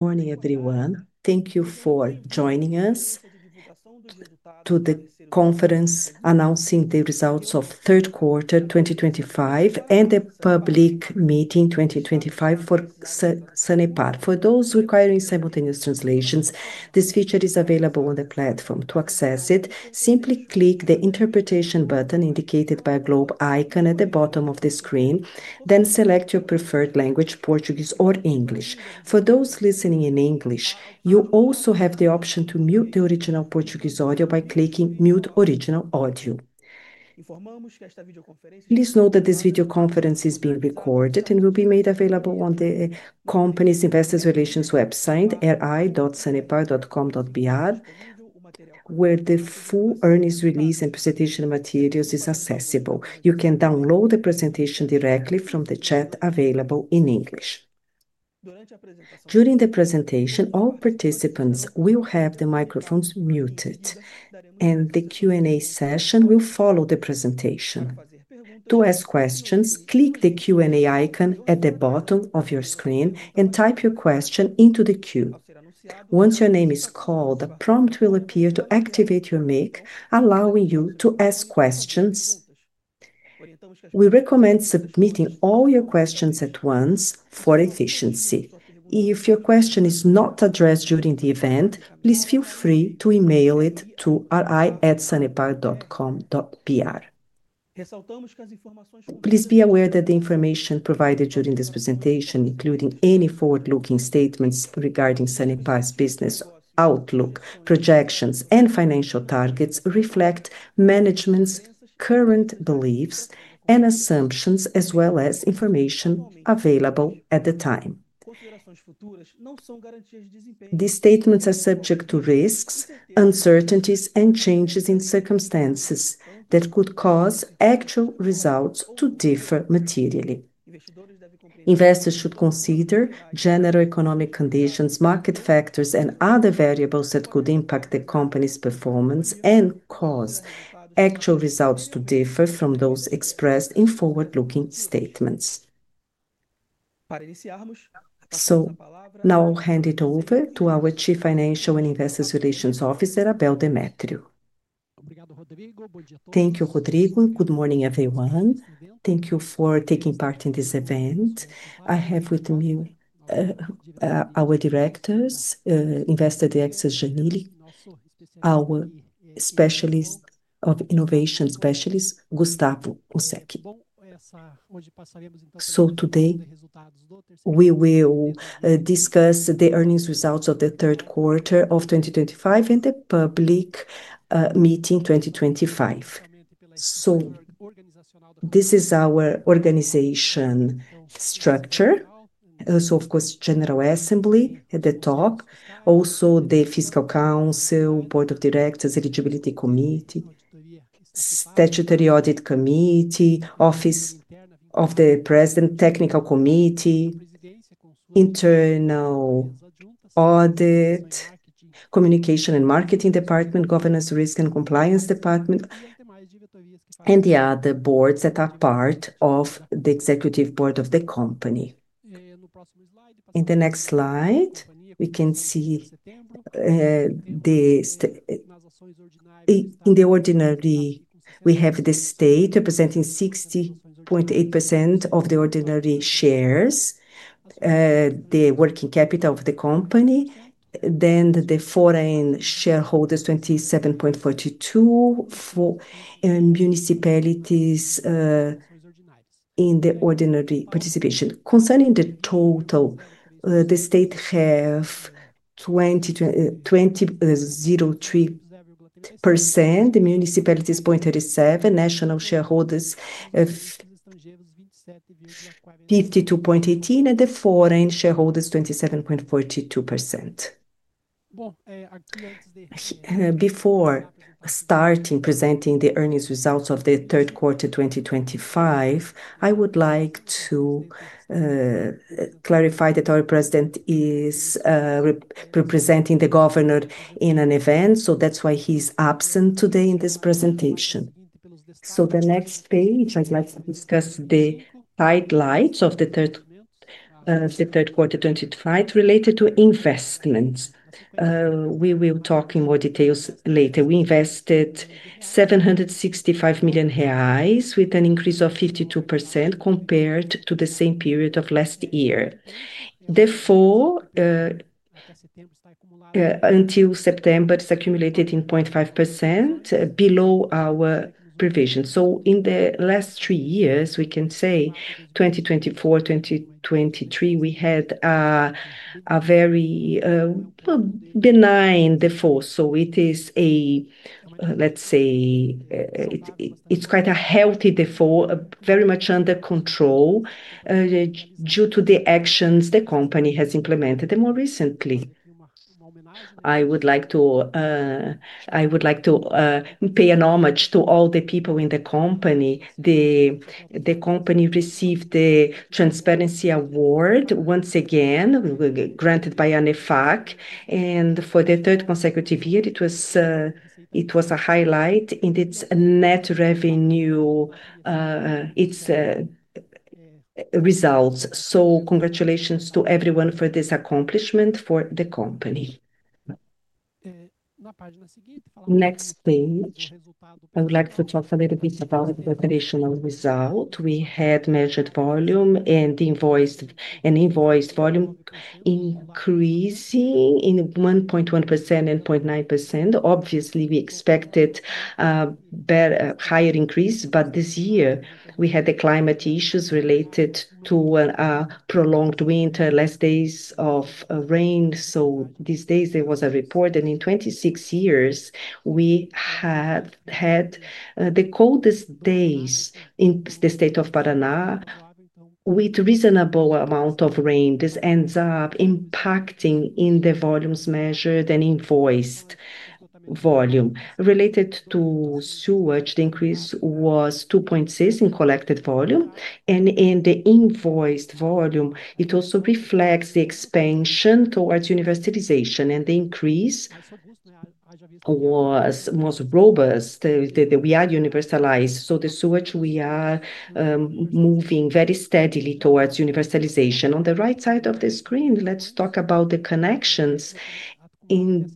Good morning, everyone. Thank you for joining us for the conference announcing the results of Q3 2025 and the public meeting 2025 for Sanepar. For those requiring simultaneous translations, this feature is available on the platform. To access it, simply click the Interpretation button indicated by a globe icon at the bottom of the screen, then select your preferred language, Portuguese or English. For those listening in English, you also have the option to mute the original Portuguese audio by clicking Mute Original Audio. Please note that this video conference is being recorded and will be made available on the company's investor relations website, ri.sanepara.com.br, where the full earnings release and presentation materials are accessible. You can download the presentation directly from the chat available in English. During the presentation, all participants will have their microphones muted, and the Q&A session will follow the presentation. To ask questions, click the Q&A icon at the bottom of your screen and type your question into the queue. Once your name is called, a prompt will appear to activate your mic allowing you to ask questions. We recommend submitting all your questions at once for efficiency. If your question is not addressed during the event, please feel free to email it to ri@sanepara.com.br. Please be aware that the information provided during this presentation, including any forward-looking statements regarding Sane Para's business outlook, projections, and financial targets, reflects management's current beliefs and assumptions, as well as information available at the time. These statements are subject to risks, uncertainties, and changes in circumstances that could cause actual results to differ materially. Investors should consider general economic conditions, market factors, and other variables that could impact the company's performance and cause actual results to differ from those expressed in forward-looking statements. Now I'll hand it over to our Chief Financial and Investor Relations Officer, Abel Demétrio. Thank you, Rodrigo. Good morning, everyone. Thank you for taking part in this event. I have with me our Directors, Investor DXA Janille, our Innovation Specialist, Gustavo Useki. Today we will discuss the earnings results of Q3 2025 and the public meeting 2025. This is our organization structure. Of course, General Assembly at the top, also the Fiscal Council, Board of Directors, Eligibility Committee, Statutory Audit Committee, Office of the President, Technical Committee, Internal Audit, Communication and Marketing Department, Governance, Risk, and Compliance Department, and the other boards that are part of the Executive Board of the company. In the next slide, we can see in the ordinary, we have the state representing 60.8% of the ordinary shares, the working capital of the company, then the foreign shareholders, 27.42%, and municipalities in the ordinary participation. Concerning the total, the state has 20.03%, the municipalities 0.37%, national shareholders 52.18%, and the foreign shareholders 27.42%. Before starting presenting the earnings results of Q3 2025, I would like to clarify that our president is representing the governor in an event, so that's why he's absent today in this presentation. On the next page, I'd like to discuss the highlights of Q3 2025 related to investments. We will talk in more details later. We invested R$765 million with an increase of 52% compared to the same period of last year. Therefore, until September, it's accumulated in 0.5% below our provision. In the last three years, we can say 2024-2023, we had a very benign default. It is a, let's say, it's quite a healthy default, very much under control due to the actions the company has implemented more recently. I would like to pay an homage to all the people in the company. The company received the Transparency Award once again, granted by ANEFAC, and for the third consecutive year, it was a highlight in its net revenue results. Congratulations to everyone for this accomplishment for the company. Next page, I would like to talk a little bit about the operational result. We had measured volume and invoiced volume increasing in 1.1% and 0.9%. Obviously, we expected a higher increase, but this year we had climate issues related to a prolonged winter, less days of rain. These days there was a report, and in 26 years, we had the coldest days in the state of Paraná with a reasonable amount of rain. This ends up impacting the volumes measured and invoiced volume. Related to sewage, the increase was 2.6% in collected volume, and in the invoiced volume, it also reflects the expansion towards universalization and the increase was more robust. We are universalized, the sewage we are moving very steadily towards universalization. On the right side of the screen, let's talk about the connections. The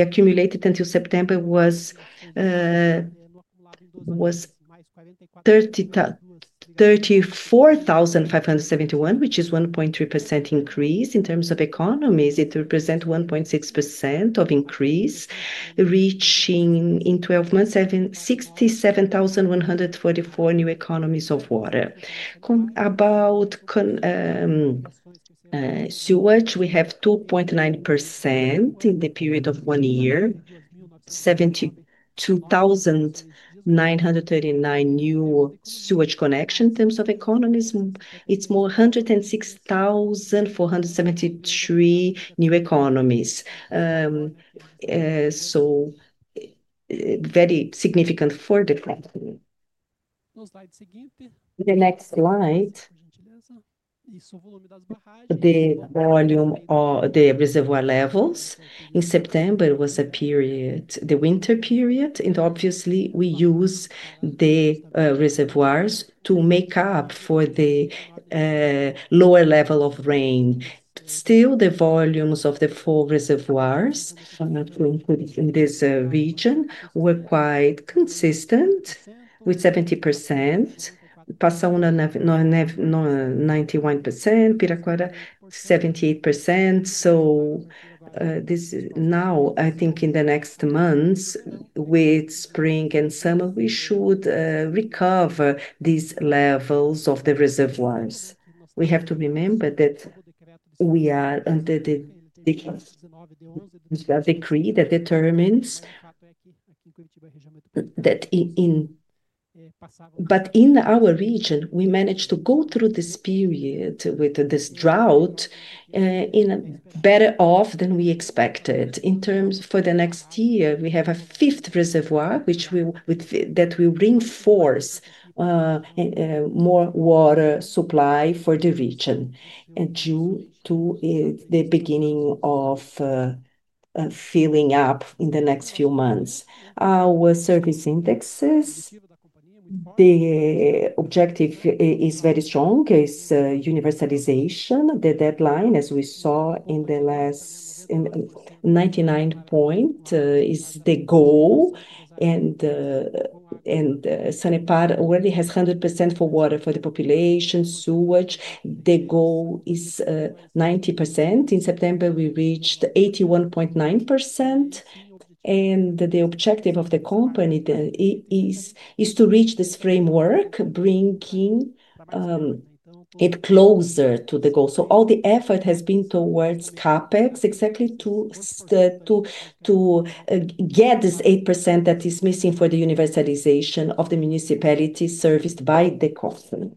accumulated until September was 34,571, which is a 1.3% increase. In terms of economies, it represents a 1.6% increase, reaching in 12 months 67,144 new economies of water. About sewage, we have 2.9% in the period of one year, 72,939 new sewage connections. In terms of economies, it's more 106,473 new economies. Very significant for the company. The next slide, the volume of the reservoir levels. In September was a period, the winter period, and obviously, we use the reservoirs to make up for the lower level of rain. Still, the volumes of the four reservoirs in this region were quite consistent with 70%, 91%, 78%. So now, I think in the next months, with spring and summer, we should recover these levels of the reservoirs. We have to remember that we are under the decree that determines that in our region, we managed to go through this period with this drought in better condition than we expected. In terms of the next year, we have a fifth reservoir that will reinforce more water supply for the region due to the beginning of filling up in the next few months. Our service indexes, the objective is very strong. It's universalization. The deadline, as we saw in the last 99 points, is the goal, and Sanepar already has 100% for water for the population, sewage. The goal is 90%. In September, we reached 81.9%, and the objective of the company is to reach this framework, bringing it closer to the goal. All the effort has been towards CAPEX, exactly to get this 8% that is missing for the universalization of the municipalities serviced by the company.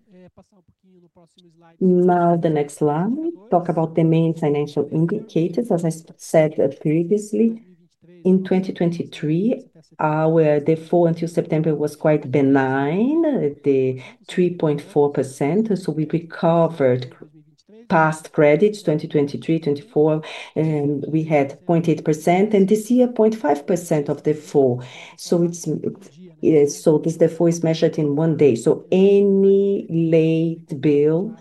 Now, the next slide, we talk about the main financial indicators. As I said previously, in 2023, our default until September was quite benign, the 3.4%. We recovered past credits, 2023-24, and we had 0.8%, and this year 0.5% of the full. This default is measured in one day. Any late bill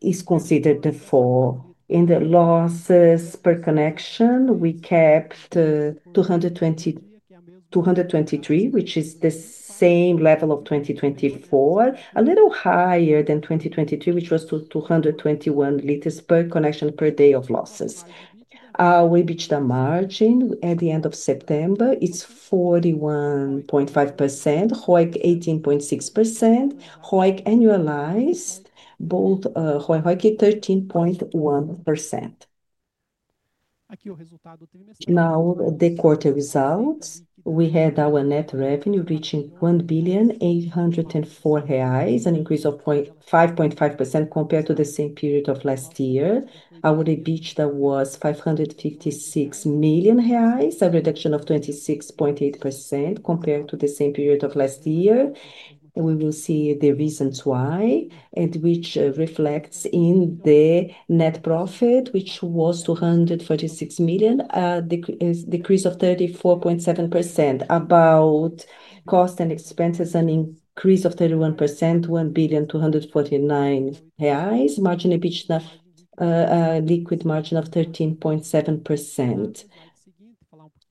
is considered the full. In the losses per connection, we kept 223, which is the same level of 2024, a little higher than 2023, which was 221 liters per connection per day of losses. Our EBITDA margin at the end of September is 41.5%, ROIC 18.6%, ROIC annualized both ROIC 13.1%. Now, the quarter results, we had our net revenue reaching R$1,804,000, an increase of 5.5% compared to the same period of last year. Our EBITDA was R$556,000,000, a reduction of 26.8% compared to the same period of last year. We will see the reasons why, which reflects in the net profit, which was R$236,000,000, a decrease of 34.7%, about cost and expenses, an increase of 31%, R$1,249,000, margin EBITDA, liquid margin of 13.7%.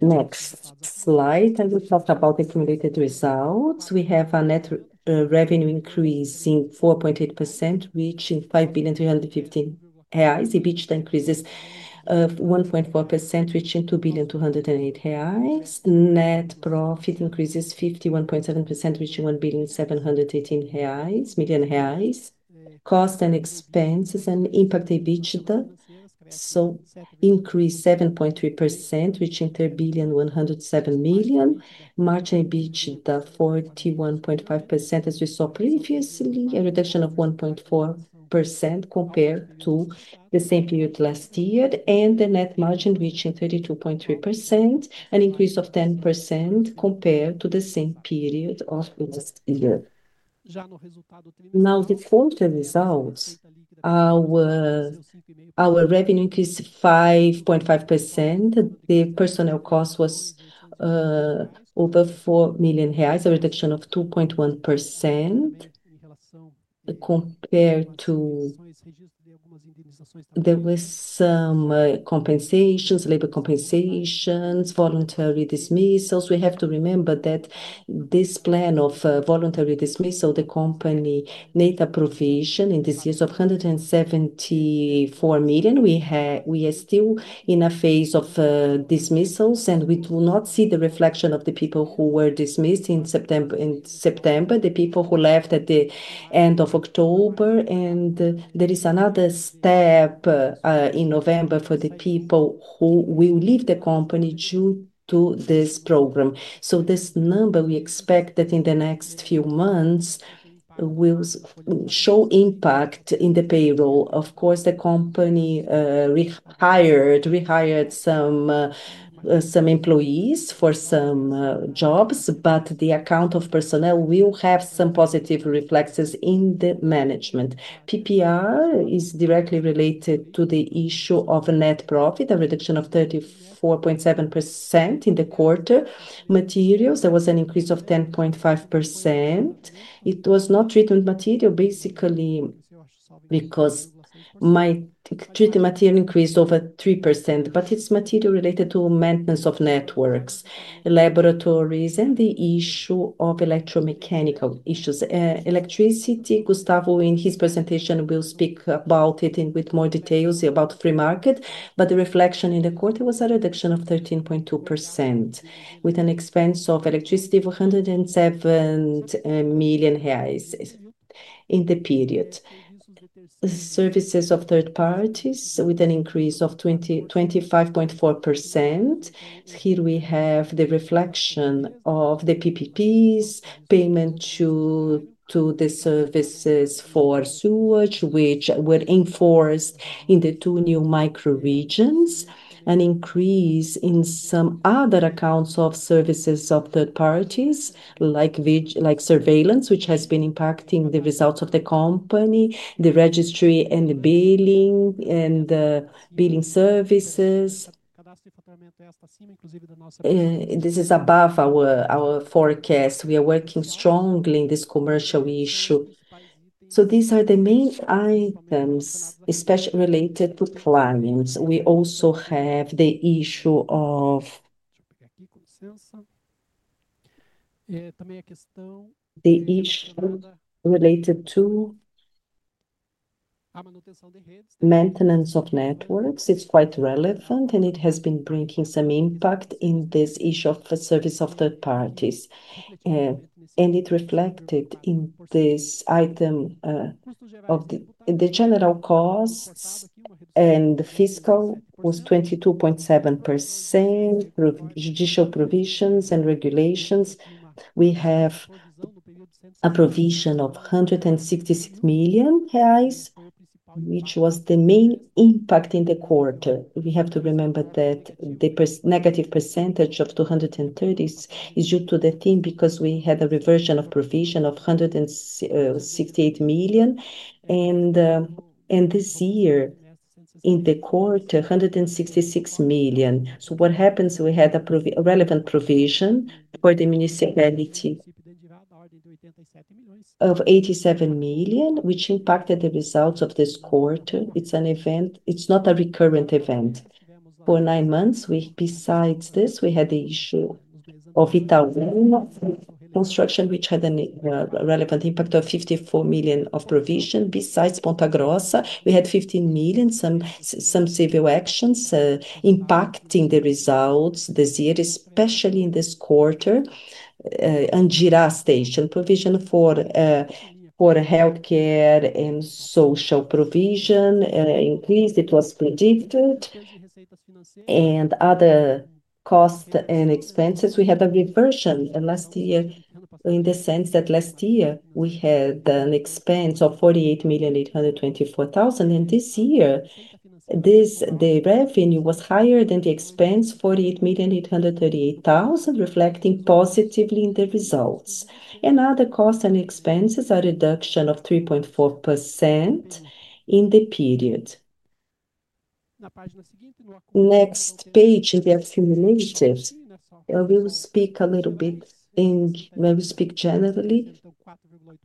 Next slide, and we talk about the accumulated results. We have a net revenue increase in 4.8%, reaching R$5,315,000. EBITDA increases 1.4%, reaching R$2,208,000. Net profit increases 51.7%, reaching R$1,718,000. Cost and expenses and impact EBITDA increased 7.3%, reaching R$3,107,000. Margin EBITDA 41.5%, as we saw previously, a reduction of 1.4% compared to the same period last year, and the net margin reaching 32.3%, an increase of 10% compared to the same period of last year. Now, the quarter results, our revenue increased 5.5%. The personnel cost was over R$4,000,000, a reduction of 2.1% compared to there were some compensations, labor compensations, voluntary dismissals. We have to remember that this plan of voluntary dismissal, the company made a provision in this year of R$174,000,000. We are still in a phase of dismissals, and we do not see the reflection of the people who were dismissed in September, the people who left at the end of October. There is another step in November for the people who will leave the company due to this program. This number we expect that in the next few months will show impact in the payroll. Of course, the company rehired some employees for some jobs, but the account of personnel will have some positive reflexes in the management. PPR is directly related to the issue of net profit, a reduction of 34.7% in the quarter. Materials, there was an increase of 10.5%. It was not treatment material, basically, because my treatment material increased over 3%, but it's material related to maintenance of networks, laboratories, and the issue of electromechanical issues. Electricity, Gustavo, in his presentation will speak about it with more details about free market, but the reflection in the quarter was a reduction of 13.2% with an expense of electricity of R$107 million in the period. Services of third parties with an increase of 25.4%. Here we have the reflection of the PPPs, payment to the services for sewage, which were enforced in the two new micro-regions, an increase in some other accounts of services of third parties like surveillance, which has been impacting the results of the company, the registry and the billing services. This is above our forecast. We are working strongly on this commercial issue. These are the main items, especially related to clients. We also have the issue related to maintenance of networks. It's quite relevant, and it has been bringing some impact in this issue of service of third parties. It reflected in this item of the general costs and the fiscal was 22.7% through judicial provisions and regulations. We have a provision of R$166 million, which was the main impact in the quarter. We have to remember that the negative percentage of 230% is due to the theme because we had a reversion of provision of $168 million. This year, in the quarter, $166 million. What happens? We had a relevant provision for the municipality of $87 million, which impacted the results of this quarter. It's an event. It's not a recurrent event. For nine months, besides this, we had the issue of Itaú Construction, which had a relevant impact of $54 million of provision. Besides Ponta Grossa, we had $15 million, some civil actions impacting the results this year, especially in this quarter. Girard Station, provision for healthcare and social provision increased. It was predicted. Other costs and expenses. We had a reversion last year in the sense that last year we had an expense of $48,824,000. This year, the revenue was higher than the expense, $48,838,000, reflecting positively in the results. Other costs and expenses, a reduction of 3.4% in the period. Next page, in the accumulated, we will speak a little bit when we speak generally.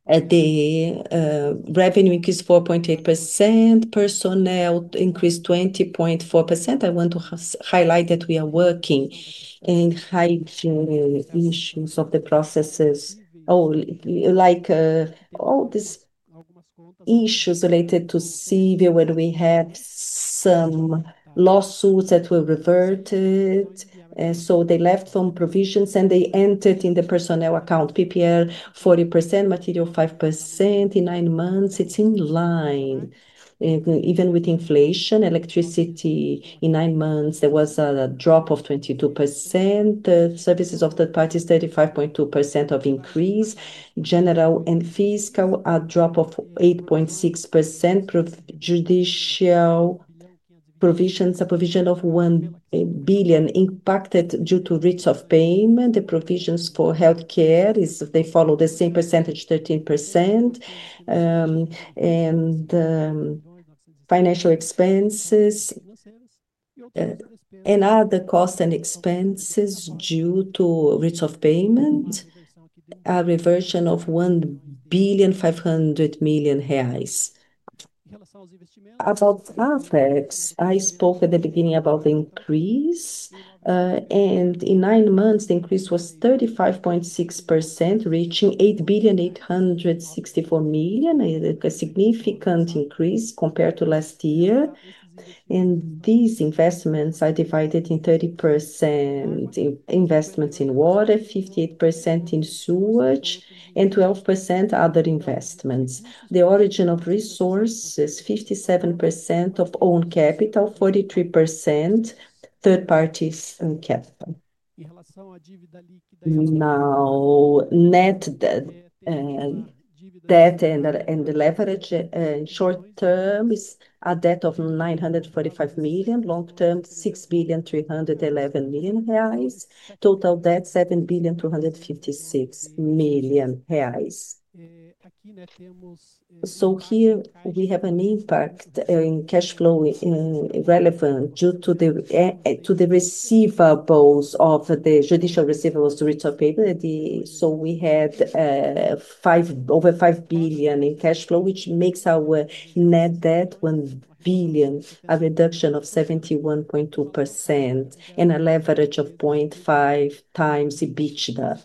The revenue increased 4.8%, personnel increased 20.4%. I want to highlight that we are working on hygiene issues of the processes, like all these issues related to civil. When we had some lawsuits that were reverted, so they left from provisions and they entered in the personnel account. PPR 40%, material 5% in nine months. It's in line. Even with inflation, electricity in nine months, there was a drop of 22%. Services of third parties, 35.2% increase. General and fiscal, a drop of 8.6%. Judicial provisions, a provision of $1 billion impacted due to rates of payment. The provisions for healthcare follow the same percentage, 13%. Financial expenses and other costs and expenses due to rates of payment, a reversion of R$1.5 billion. About CAPEX, I spoke at the beginning about the increase. In nine months, the increase was 35.6%, reaching R$8.864 billion, a significant increase compared to last year. These investments are divided in 30% investments in water, 58% in sewage, and 12% other investments. The origin of resources, 57% of own capital, 43% third parties and capital. Now, net debt and leverage in short term is a debt of R$945 million. Long term, R$6.311 billion. Total debt, R$7.256 billion. Here we have an impact in cash flow relevant due to the receivables of the judicial receivables, the rates of payment. We had over R$5 billion in cash flow, which makes our net debt R$1 billion, a reduction of 71.2% and a leverage of 0.5 times EBITDA.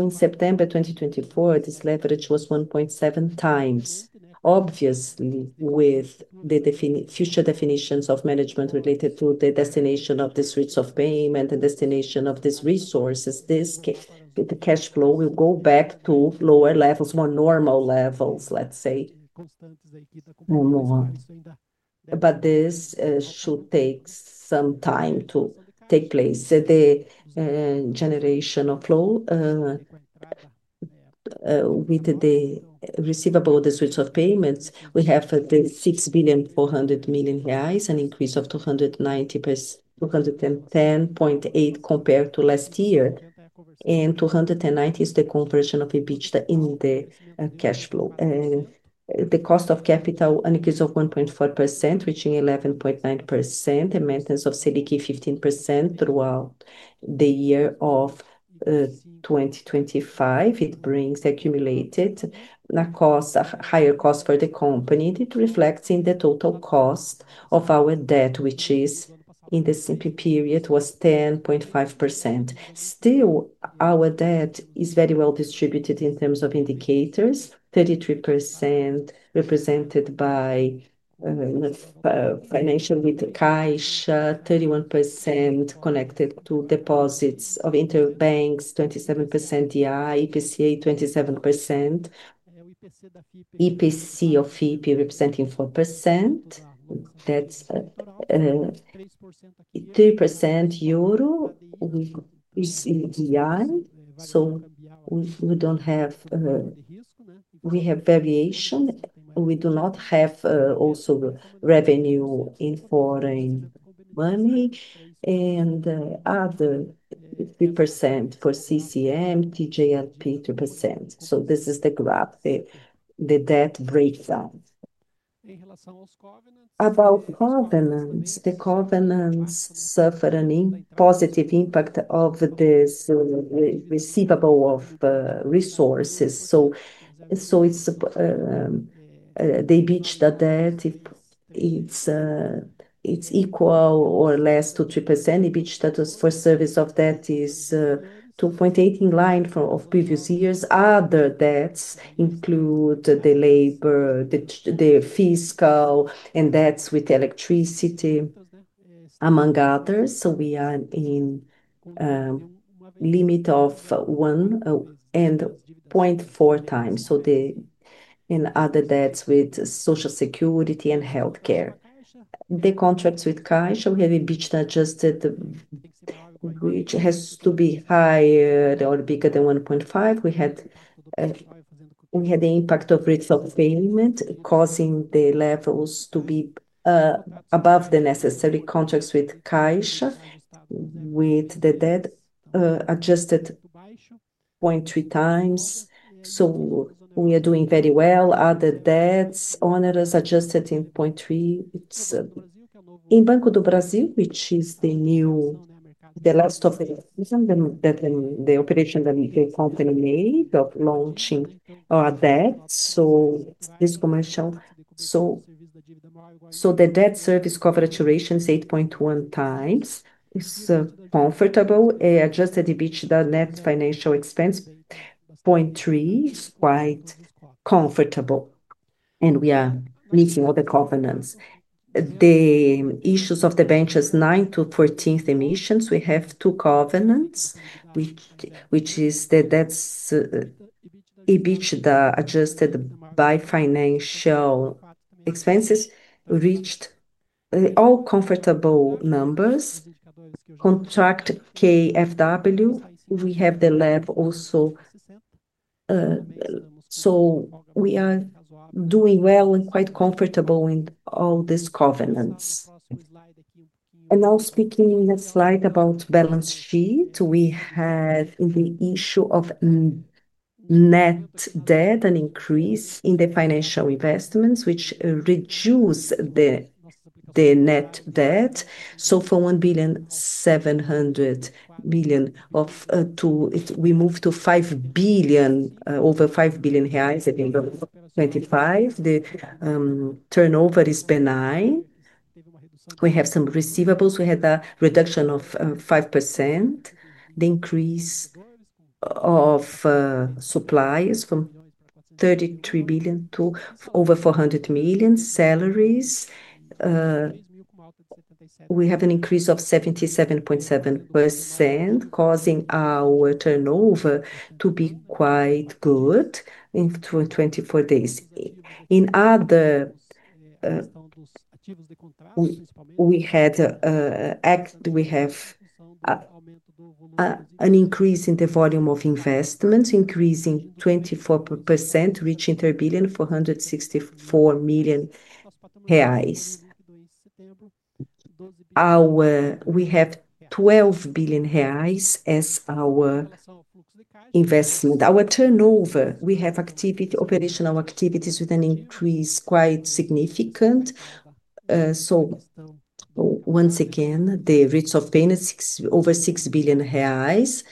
In September 2024, this leverage was 1.7 times. Obviously, with the future definitions of management related to the destination of these rates of payment and destination of these resources, the cash flow will go back to lower levels, more normal levels. But this should take some time to take place. The generation of flow with the receivable, the switch of payments, we have the R$6,400,000,000, an increase of 210.8% compared to last year. And 210.9% is the conversion of EBITDA in the cash flow. The cost of capital increase of 1.4%, reaching 11.9%, and maintenance of CDI 15% throughout the year of 2025. It brings accumulated a higher cost for the company. It reflects in the total cost of our debt, which in the same period was 10.5%. Still, our debt is very well distributed in terms of indicators. 33% represented by financial with cash, 31% connected to deposits of interbanks, 27% DI, EPCA, 27%. EPC of EP representing 4%. That's 3% euro is DI. We don't have variation. We do not have revenue in foreign money and other 3% for CCM, TJLP 3%. This is the graph, the debt breakdown. About covenants, the covenants suffer a positive impact of this receivable of resources. The EBITDA debt is equal or less to 3%. EBITDA for service of debt is 2.8 in line of previous years. Other debts include the labor, the fiscal, and debts with electricity, among others. We are in limit of 1.4 times. The other debts with social security and healthcare. The contracts with Kaiser, we have EBITDA adjusted, which has to be higher or bigger than 1.5. We had the impact of rates of payment causing the levels to be above the necessary contracts with Kaiser, with the debt adjusted 0.3 times. We are doing very well. Other debts, honors, adjusted in 0.3. It's in Banco do Brasil, which is the new, the last of the operation that the company made of launching our debt. This commercial. The debt service coverage ratio is 8.1 times. It's comfortable. Adjusted EBITDA net financial expense 0.3 is quite comfortable. We are meeting all the covenants. The issues of the benches, 9th to 14th emissions, we have two covenants, which is that that's EBITDA adjusted by financial expenses reached all comfortable numbers. Contract KFW, we have the level also. We are doing well and quite comfortable in all these covenants. Speaking about the balance sheet slide, we have in the issue of net debt an increase in the financial investments, which reduces the net debt. So from $1.7 billion we moved to over $5 billion reais in 2025. The turnover is benign. We have some receivables. We had a reduction of 5%. The increase of supplies from $33 million to over $400 million salaries. We have an increase of 77.7%, causing our turnover to be quite good in 24 days. We had an increase in the volume of investments, increasing 24%, reaching $3.464 billion reais. We have $12 billion reais as our investment. Our turnover, we have operational activities with a quite significant increase. Once again, the rates of payment over $6 billion reais.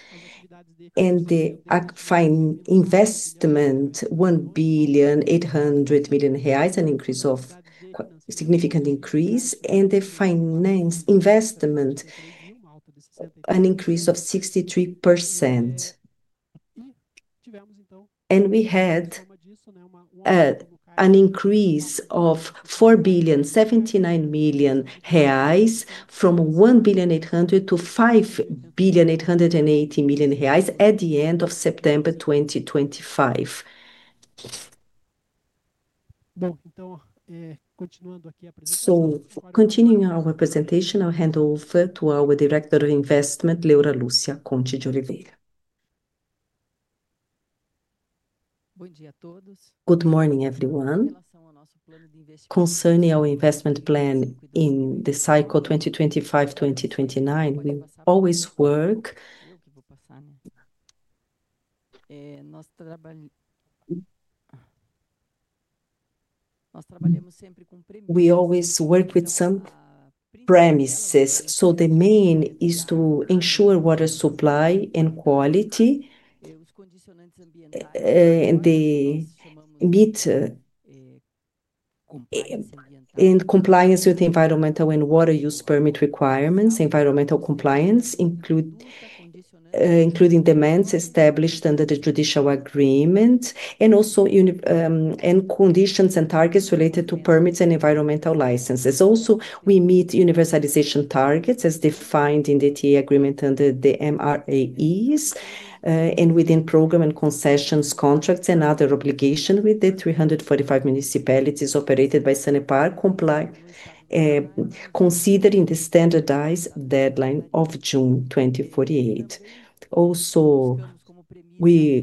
The investment, $1.8 billion reais, a significant increase. The finance investment, an increase of 63%. We had an increase of R$4,079,000,000 from R$1,800,000 to R$5,880,000,000 at the end of September 2025. Continuing our presentation, I'll hand over to our Director of Investment, Leora Lúcia Conti de Oliveira. Good morning, everyone. Concerning our investment plan in the cycle 2025-2029, we always work with some premises. The main is to ensure water supply and quality and compliance with the environmental and water use permit requirements. Environmental compliance, including demands established under the judicial agreement and also conditions and targets related to permits and environmental licenses. Also, we meet universalization targets as defined in the TA agreement under the MRAEs and within program and concessions contracts and other obligations with the 345 municipalities operated by SANEPAR, considering the standardized deadline of June 2048. Also, we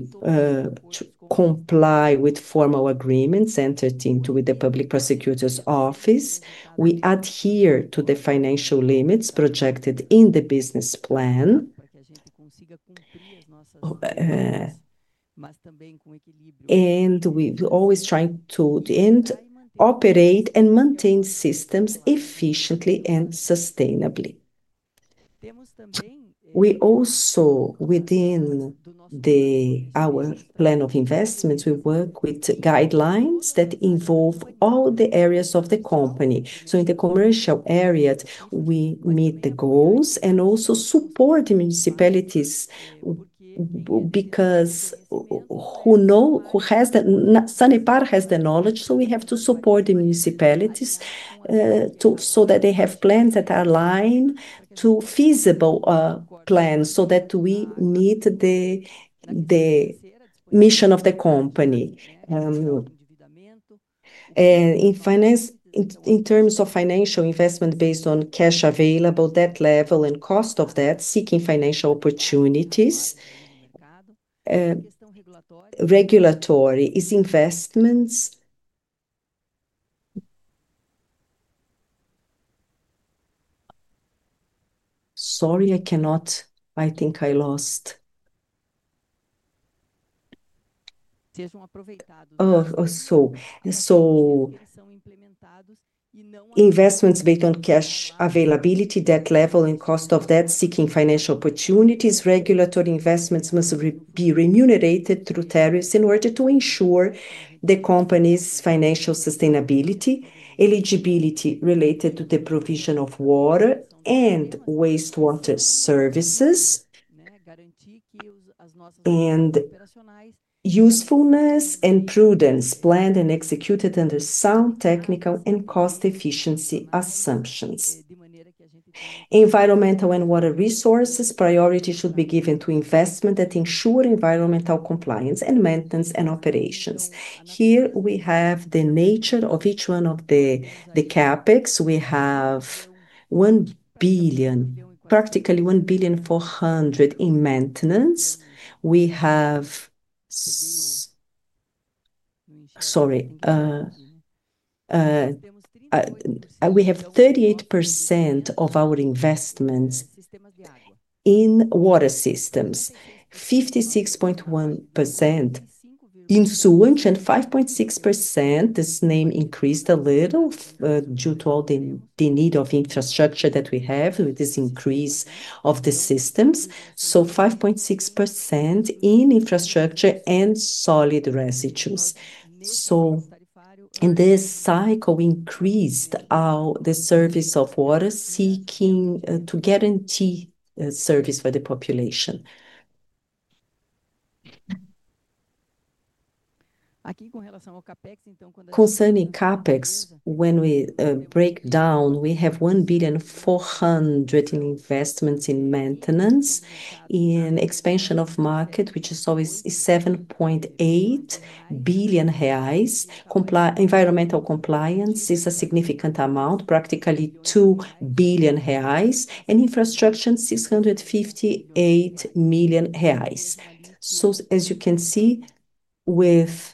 comply with formal agreements entered into with the Public Prosecutor's Office. We adhere to the financial limits projected in the business plan and we're always trying to operate and maintain systems efficiently and sustainably. We also, within our plan of investments, we work with guidelines that involve all the areas of the company. In the commercial areas, we meet the goals and also support the municipalities because who has the SANEPAR has the knowledge. We have to support the municipalities so that they have plans that are aligned to feasible plans so that we meet the mission of the company. In terms of financial investment based on cash available, that level and cost of that, seeking financial opportunities. Regulatory is investments. I cannot, I think I lost. Investments based on cash availability, debt level, and cost of debt, seeking financial opportunities. Regulatory investments must be remunerated through tariffs in order to ensure the company's financial sustainability, eligibility related to the provision of water and wastewater services, and usefulness and prudence, planned and executed under sound technical and cost efficiency assumptions. Environmental and water resources priority should be given to investment that ensure environmental compliance and maintenance and operations. Here we have the nature of each one of the CAPEX. We have $1 billion, practically $1.4 million in maintenance. We have 38% of our investments in water systems, 56.1% in sewage, and 5.6%. This name increased a little due to all the need of infrastructure that we have with this increase of the systems. 5.6% in infrastructure and solid residues. In this cycle, we increased the service of water, seeking to guarantee service for the population. Concerning CAPEX, when we break down, we have R$1.4 billion in investments in maintenance, in expansion of market, which is always R$7.8 billion. Environmental compliance is a significant amount, practically R$2 billion, and infrastructure, R$658 million. As you can see, with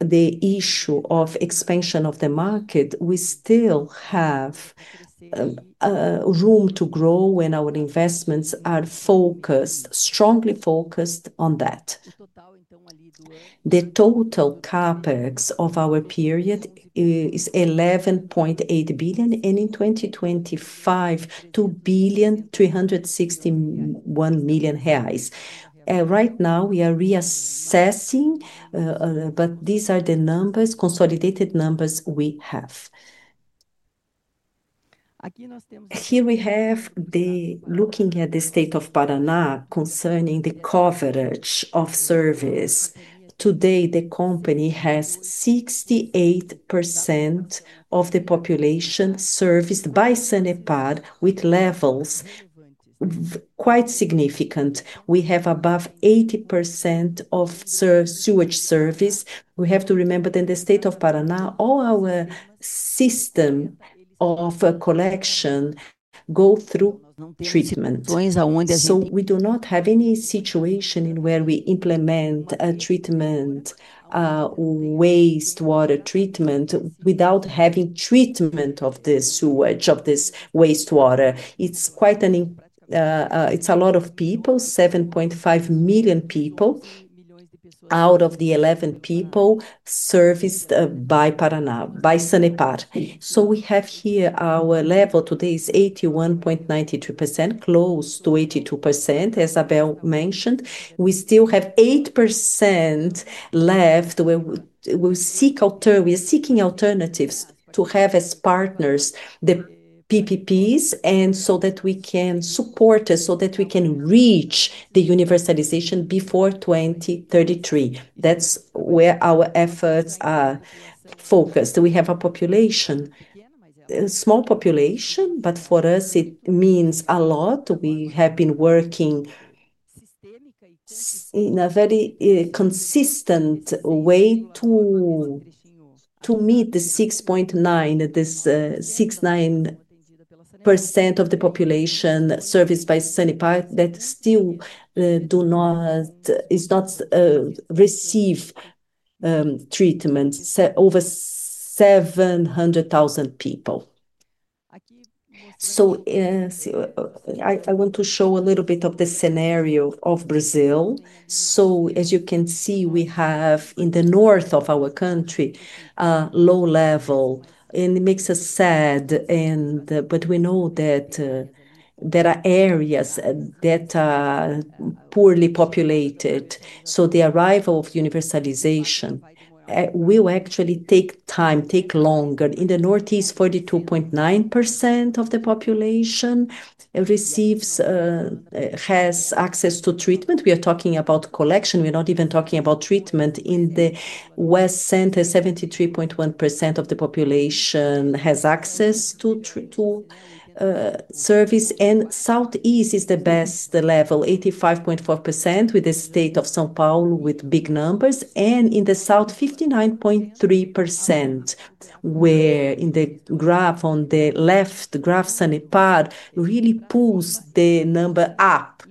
the issue of expansion of the market, we still have room to grow when our investments are focused, strongly focused on that. The total CAPEX of our period is R$11.8 billion, and in 2025, R$2.361 billion. Right now, we are reassessing, but these are the numbers, consolidated numbers we have. Here we have the looking at the state of Paraná concerning the coverage of service. Today, the company has 68% of the population serviced by SANEPAR with levels quite significant. We have above 80% of sewage service. We have to remember that in the state of Paraná, all our system of collection go through treatment. So we do not have any situation where we implement wastewater treatment without having treatment of this sewage, of this wastewater. It's quite a lot of people, 7.5 million people out of the 11 million people serviced by Paraná, by SANEPAR. We have here our level today is 81.92%, close to 82%, as Abel mentioned. We still have 8% left where we seek alternatives to have as partners the PPPs so that we can support us, so that we can reach the universalization before 2033. That's where our efforts are focused. We have a population, a small population, but for us, it means a lot. We have been working in a very consistent way to meet the 6.9% of the population serviced by SANEPAR that still do not receive treatment, over 700,000 people. I want to show a little bit of the scenario of Brazil. As you can see, we have in the north of our country, low level, and it makes us sad, but we know that there are areas that are poorly populated. The arrival of universalization will actually take time, take longer. In the northeast, 42.9% of the population receives, has access to treatment. We are talking about collection. We're not even talking about treatment. In the west center, 73.1% of the population has access to service. And southeast is the best level, 85.4% with the state of São Paulo with big numbers. In the south, 59.3%, where in the graph on the left, graph SANEPAR really pulls the number up.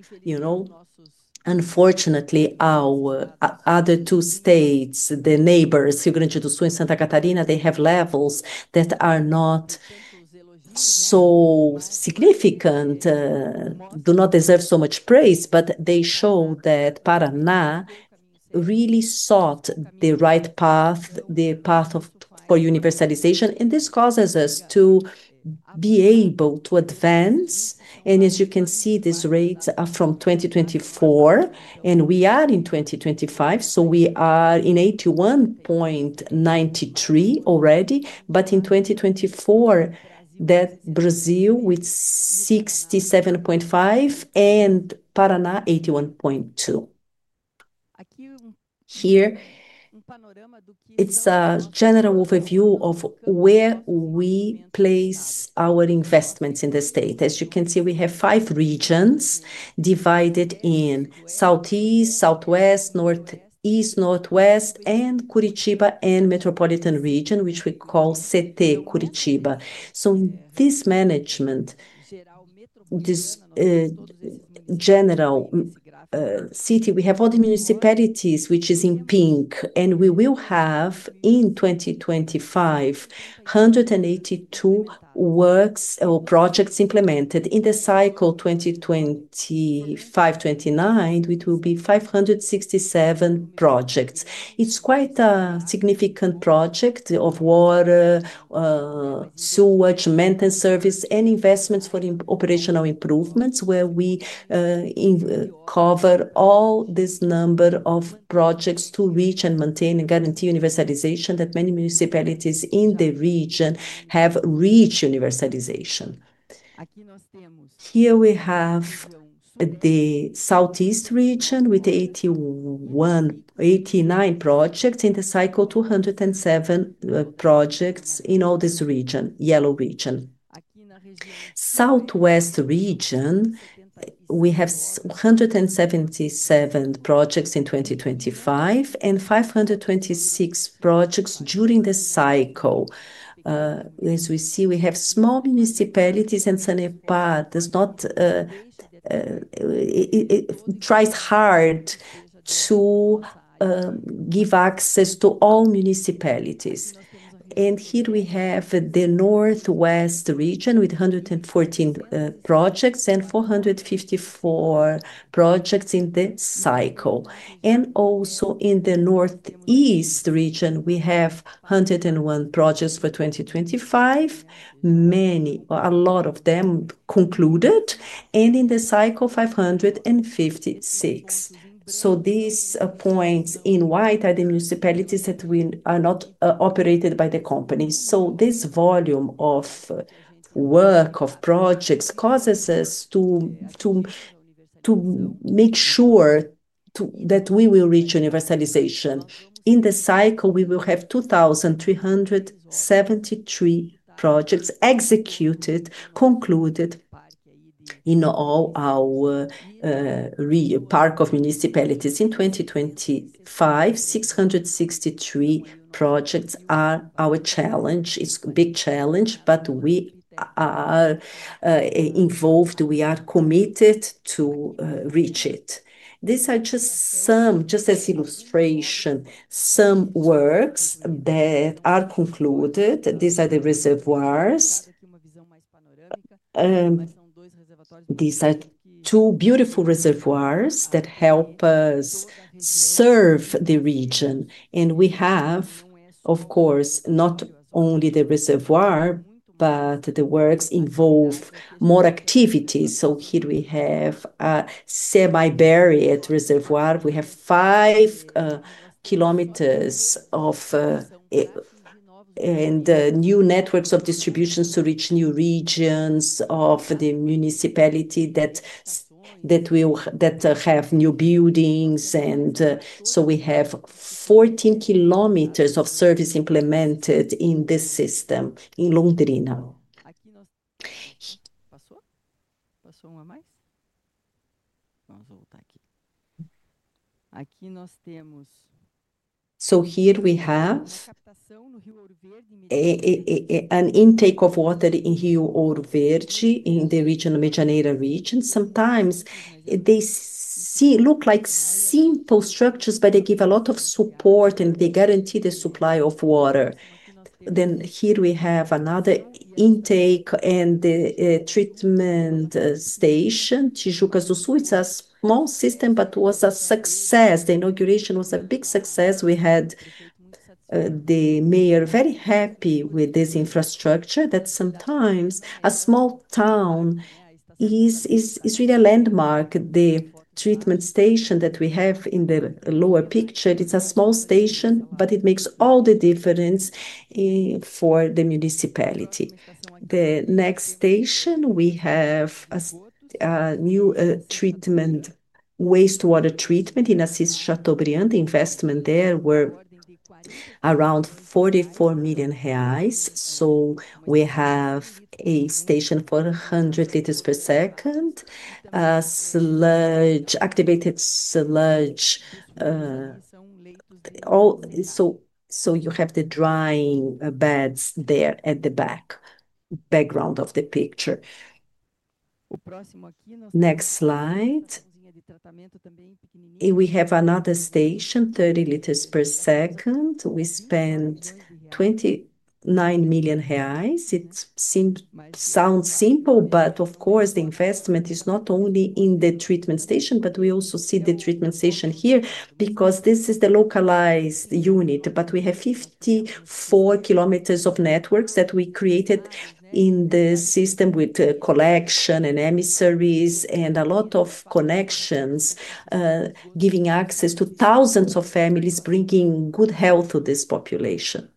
Unfortunately, our other two states, the neighbors, Rio Grande do Sul and Santa Catarina, they have levels that are not so significant, do not deserve so much praise, but they show that Paraná really sought the right path, the path for universalization. This causes us to be able to advance. As you can see, these rates are from 2024, and we are in 2025. So we are in 81.93% already. But in 2024, that Brazil with 67.5% and Paraná 81.2%. Here it's a general overview of where we place our investments in the state. As you can see, we have five regions divided in southeast, southwest, northeast, northwest, and Curitiba and Metropolitan Region, which we call CETE Curitiba. In this management, this general city, we have all the municipalities, which is in pink, and we will have in 2025, 182 works or projects implemented. In the cycle 2025-29, it will be 567 projects. It's quite a significant project of water, sewage, maintenance service, and investments for operational improvements where we cover all this number of projects to reach and maintain and guarantee universalization that many municipalities in the region have reached universalization. Here we have the southeast region with 81, 89 projects in the cycle, 207 projects in all this region, yellow region. Southwest region, we have 177 projects in 2025 and 526 projects during the cycle. As we see, we have small municipalities and SANEPAR does not, it tries hard to give access to all municipalities. Here we have the northwest region with 114 projects and 454 projects in the cycle. Also in the northeast region, we have 101 projects for 2025, many of them concluded, and in the cycle, 556. These points in white are the municipalities that are not operated by the company. This volume of work, of projects causes us to make sure that we will reach universalization. In the cycle, we will have 2,373 projects executed, concluded in all our park of municipalities in 2025. 663 projects are our challenge. It's a big challenge, but we are involved. We are committed to reach it. These are just some, just as illustration, some works that are concluded. These are the reservoirs. These are two beautiful reservoirs that help us serve the region. We have, of course, not only the reservoir, but the works involve more activities. Here we have a semi-buried reservoir. We have five kilometers of new networks of distributions to reach new regions of the municipality that have new buildings. We have 14 kilometers of service implemented in this system in Londrina. Here we have an intake of water in Rio Ouro Verde in the region, the Medianeira region. Sometimes they look like simple structures, but they give a lot of support and they guarantee the supply of water. Here we have another intake and the treatment station, Tijucas do Sul. It's a small system, but it was a success. The inauguration was a big success. We had the mayor very happy with this infrastructure that sometimes a small town is really a landmark. The treatment station that we have in the lower picture, it's a small station, but it makes all the difference for the municipality. The next station, we have a new treatment, wastewater treatment in Assis Chateaubriand. The investment there was around R$44 million. We have a station for 100 liters per second, sludge, activated sludge. You have the drying beds there at the background of the picture. Next slide. We have another station, 30 liters per second. We spent R$29 million. It sounds simple, but of course, the investment is not only in the treatment station, but we also see the treatment station here because this is the localized unit. We have 54 kilometers of networks that we created in the system with collection and emissaries and a lot of connections giving access to thousands of families, bringing good health to this population.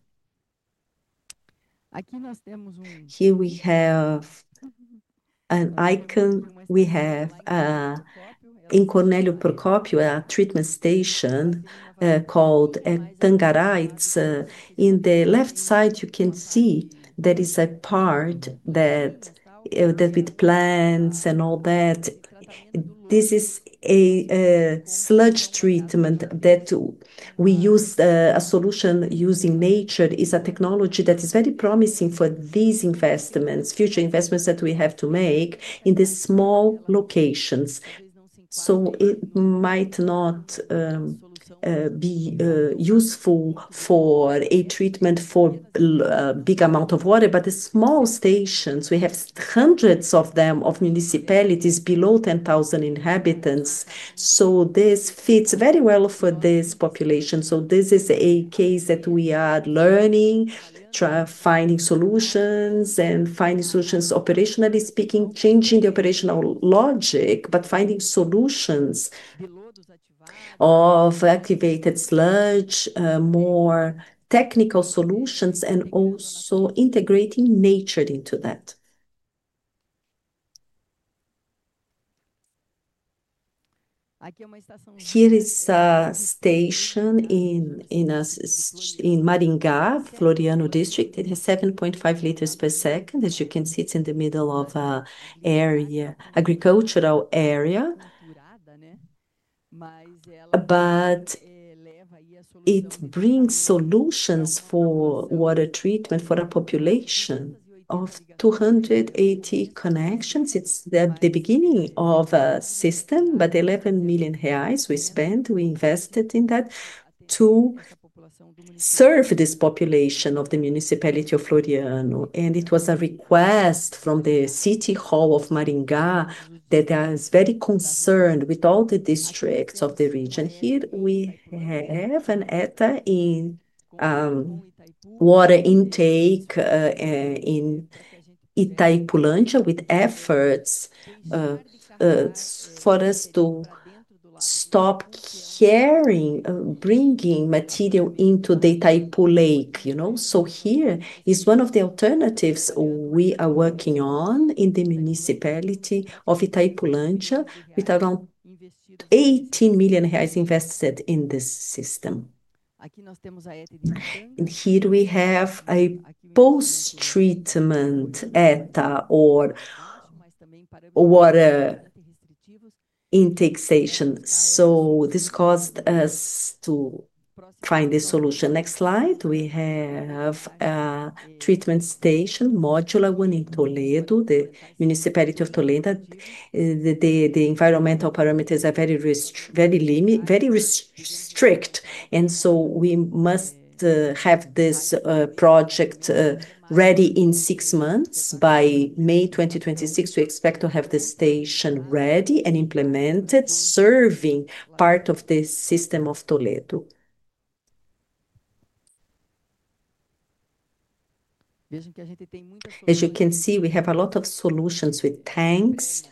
Here we have an icon. We have in Cornélio Procópio a treatment station called Tangaráites. On the left side, you can see there is a part with plants and all that. This is a sludge treatment that we use, a solution using nature. It's a technology that is very promising for these investments, future investments that we have to make in these small locations. It might not be useful for treatment of a big amount of water, but for the small stations, we have hundreds of them in municipalities below 10,000 inhabitants. This fits very well for this population. This is a case that we are learning, finding solutions and finding solutions, operationally speaking, changing the operational logic, but finding solutions of activated sludge, more technical solutions, and also integrating nature into that. Here is a station in Maringá, Floriano District. It has 7.5 liters per second. As you can see, it's in the middle of an agricultural area. It brings solutions for water treatment for a population of 280 connections. It's at the beginning of a system, but R$11 million we spent, we invested in that to serve this population of the municipality of Floriano. It was a request from the City Hall of Maringá that is very concerned with all the districts of the region. Here we have an ETA in water intake in Itaipu Lancha with efforts for us to stop carrying, bringing material into the Itaipu Lake. Here is one of the alternatives we are working on in the municipality of Itaipu Lancha with around R$18 million invested in this system. Here we have a post-treatment ETA or water intake station. This caused us to find a solution. We have a treatment station, Modular 1 in Toledo, the municipality of Toledo. The environmental parameters are very strict. We must have this project ready in six months. By May 2026, we expect to have the station ready and implemented, serving part of the system of Toledo. As you can see, we have a lot of solutions with tanks,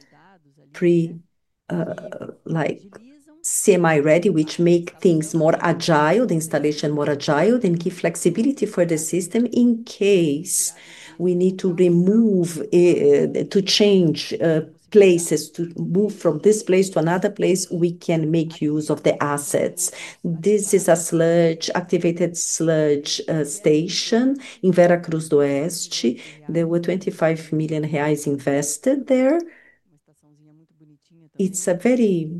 like semi-ready, which make things more agile, the installation more agile, and give flexibility for the system in case we need to remove, to change places, to move from this place to another place, we can make use of the assets. This is a sludge, activated sludge station in Veracruz do Oeste. There were R$25 million invested there. It's a very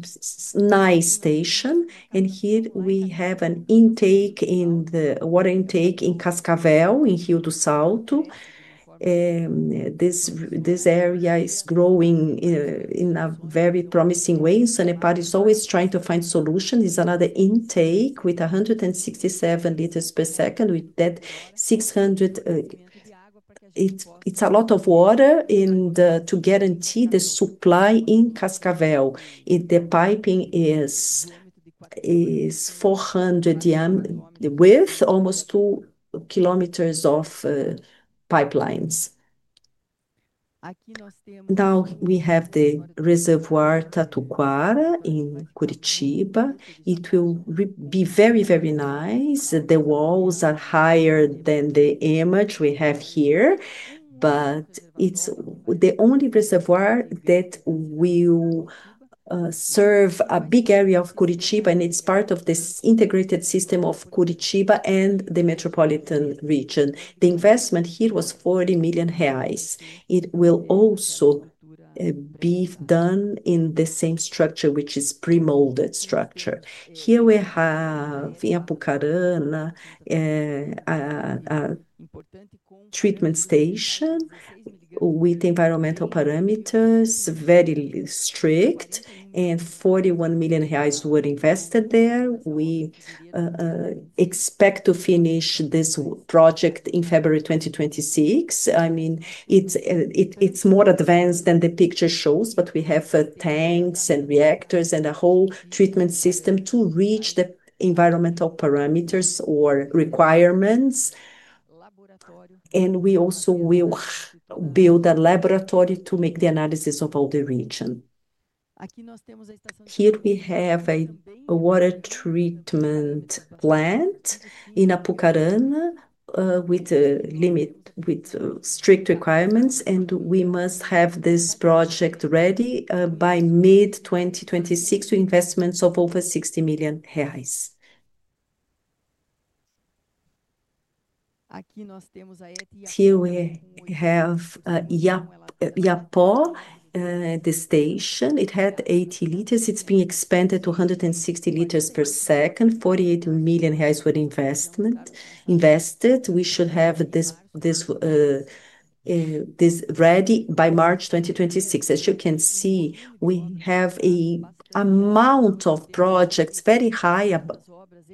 nice station. Here we have an intake in the water intake in Cascavel, in Rio do Salto. This area is growing in a very promising way. Sanepar is always trying to find solutions. It's another intake with 167 liters per second, with that 600. It's a lot of water to guarantee the supply in Cascavel. The piping is 400 meters width, almost two kilometers of pipelines. Now we have the reservoir Tatuquara in Curitiba. It will be very nice. The walls are higher than the image we have here, but it's the only reservoir that will serve a big area of Curitiba, and it's part of this integrated system of Curitiba and the Metropolitan Region. The investment here was R$40 million. It will also be done in the same structure, which is pre-molded structure. Here we have in Apucarana a treatment station with environmental parameters, very strict, and R$41 million were invested there. We expect to finish this project in February 2026. I mean, it's more advanced than the picture shows, but we have tanks and reactors and a whole treatment system to reach the environmental parameters or requirements. We also will build a laboratory to make the analysis of all the region. Here we have a water treatment plant in Apucaran with strict requirements, and we must have this project ready by mid-2026 with investments of over R$60 million. Here we have Yapor, the station. It had 80 liters. It's being expanded to 160 liters per second. R$48 million were invested. We should have this ready by March 2026. As you can see, we have an amount of projects, very high,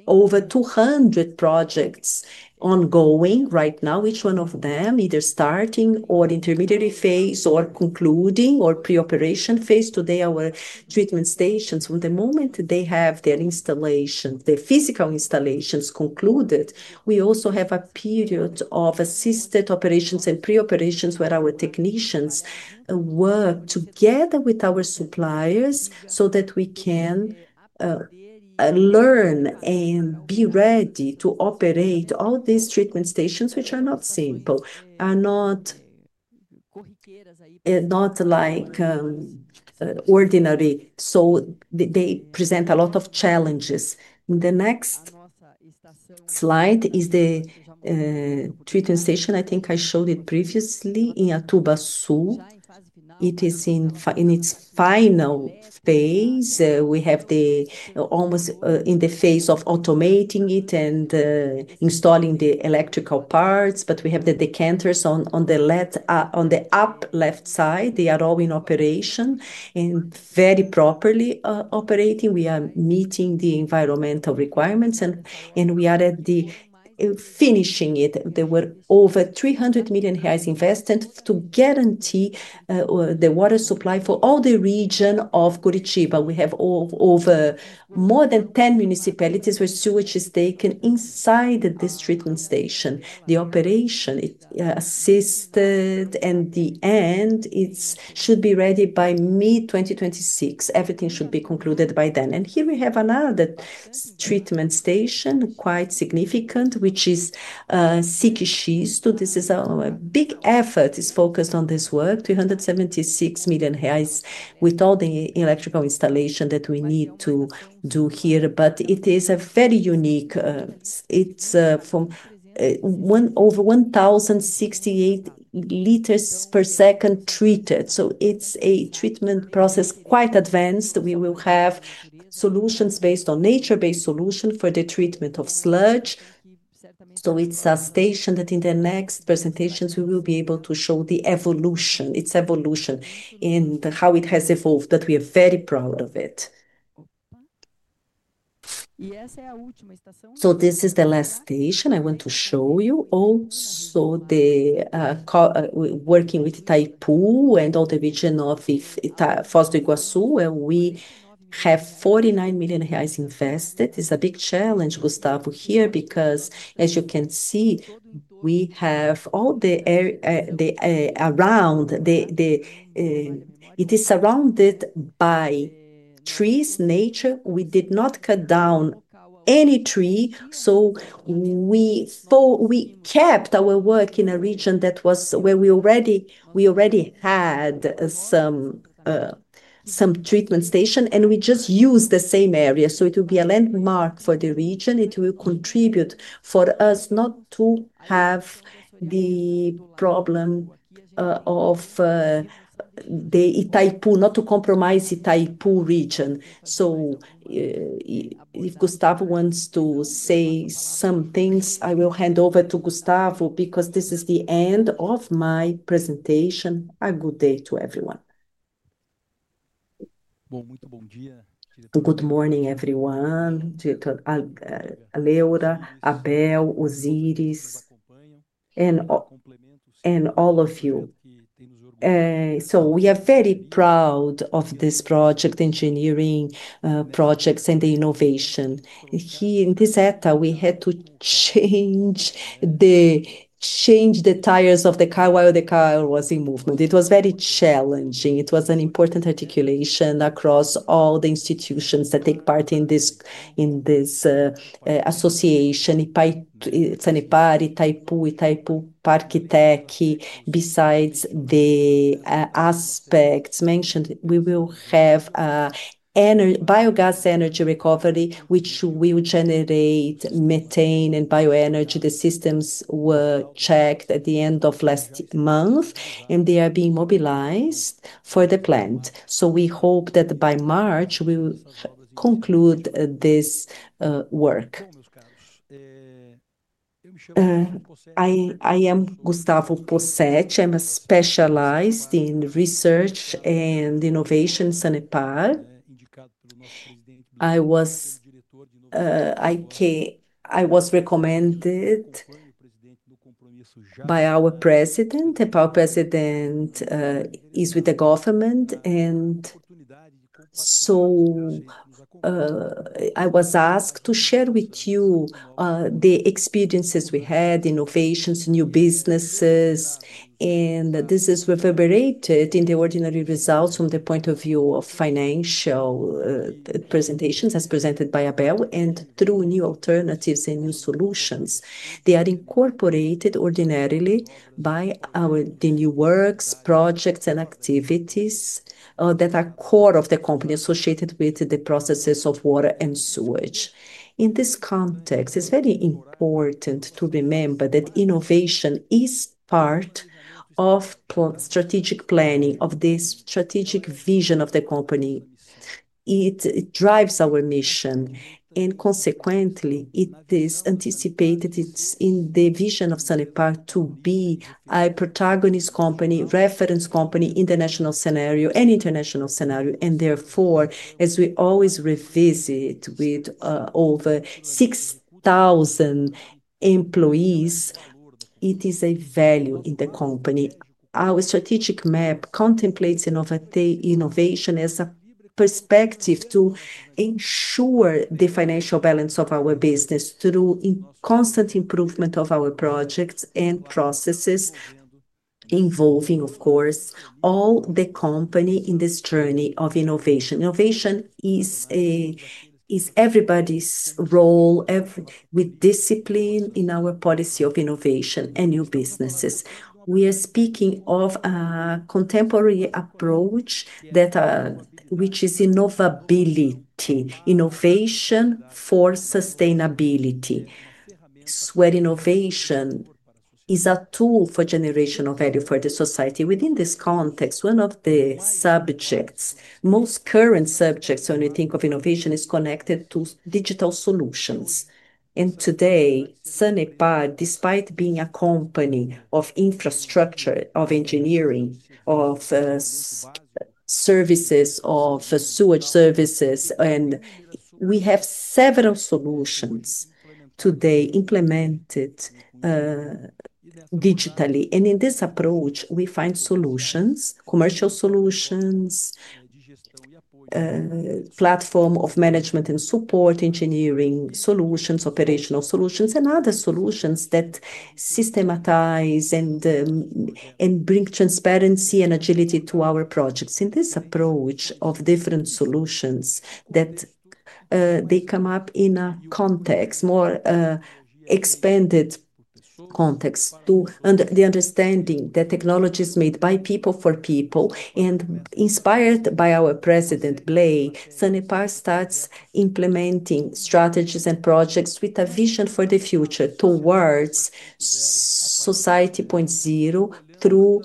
over 200 projects ongoing right now, each one of them either starting or intermediary phase or concluding or pre-operation phase. Today, our treatment stations, from the moment they have their installations, their physical installations concluded, we also have a period of assisted operations and pre-operations where our technicians work together with our suppliers so that we can learn and be ready to operate all these treatment stations, which are not simple, are not like ordinary. They present a lot of challenges. In the next slide is the treatment station. I think I showed it previously in Atuba Sul. It is in its final phase. We have it almost in the phase of automating it and installing the electrical parts, but we have the decanters on the upper left side. They are all in operation and very properly operating. We are meeting the environmental requirements, and we are finishing it. There were over R$300 million invested to guarantee the water supply for all the region of Curitiba. We have over more than 10 municipalities where sewage is taken inside this treatment station. The operation is assisted, and the end should be ready by mid-2026. Everything should be concluded by then. Here we have another treatment station, quite significant, which is Sikishisto. This is a big effort. It's focused on this work, R$376 million with all the electrical installation that we need to do here. It is very unique. It's from over 1,068 liters per second treated. It's a treatment process quite advanced. We will have solutions based on nature-based solutions for the treatment of sludge. It's a station that in the next presentations, we will be able to show the evolution, its evolution and how it has evolved, that we are very proud of it. This is the last station I want to show you. Also working with Itaipu and all the region of Foz do Iguaçu, we have R$49 million invested. It's a big challenge, Gustavo, here because as you can see, we have all the area around. It is surrounded by trees, nature. We did not cut down any tree. We kept our work in a region that was where we already had some treatment station, and we just used the same area. It will be a landmark for the region. It will contribute for us not to have the problem of the Itaipu, not to compromise Itaipu region. If Gustavo wants to say some things, I will hand over to Gustavo because this is the end of my presentation. A good day to everyone. Good morning, everyone. Leora, Abel, Osiris, and all of you. We are very proud of this project, engineering projects and the innovation. In this ETA, we had to change the tires of the car while the car was in movement. It was very challenging. It was an important articulation across all the institutions that take part in this association: Sanepar, Itaipu, Itaipu Parque Tec. Besides the aspects mentioned, we will have biogas energy recovery, which will generate, maintain, and bioenergy. The systems were checked at the end of last month, and they are being mobilized for the plant. We hope that by March, we will conclude this work. I am Gustavo Posset. I'm specialized in research and innovation in Sanepar. I was recommended by our president. Our president is with the government. I was asked to share with you the experiences we had, innovations, new businesses. This is reverberated in the ordinary results from the point of view of financial presentations as presented by Abel and through new alternatives and new solutions. They are incorporated ordinarily by the new works, projects, and activities that are core of the company associated with the processes of water and sewage. In this context, it's very important to remember that innovation is part of strategic planning, of this strategic vision of the company. It drives our mission. Consequently, it is anticipated in the vision of Sanepar to be a protagonist company, reference company in the national scenario and international scenario. Therefore, as we always revisit with over 6,000 employees, it is a value in the company. Our strategic map contemplates innovation as a perspective to ensure the financial balance of our business through constant improvement of our projects and processes, involving, of course, all the company in this journey of innovation. Innovation is everybody's role with discipline in our policy of innovation and new businesses. We are speaking of a contemporary approach that is innovability, innovation for sustainability, where innovation is a tool for generation of value for society. Within this context, one of the subjects, most current subjects when we think of innovation, is connected to digital solutions. Today, Sanepar, despite being a company of infrastructure, of engineering, of services, of sewage services, has several solutions today implemented digitally. In this approach, we find solutions, commercial solutions, platform of management and support, engineering solutions, operational solutions, and other solutions that systematize and bring transparency and agility to our projects. In this approach of different solutions, they come up in a context, more expanded context to the understanding that technology is made by people for people and inspired by our president, Blay. Sanepar starts implementing strategies and projects with a vision for the future towards society 5.0 through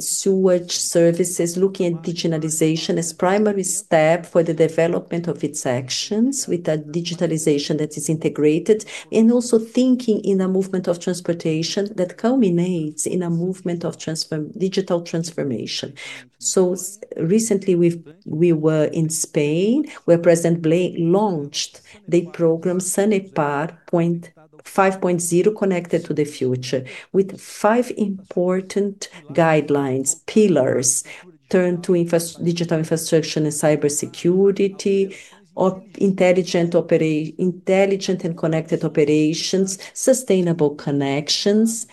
sewage services, looking at digitalization as a primary step for the development of its actions with a digitalization that is integrated and also thinking in a movement of transportation that culminates in a movement of digital transformation. Recently, we were in Spain, where President Blay launched the program Sanepar 5.0, connected to the future with five important guidelines, pillars turned to digital infrastructure and cybersecurity, intelligent and connected operations, sustainable connections,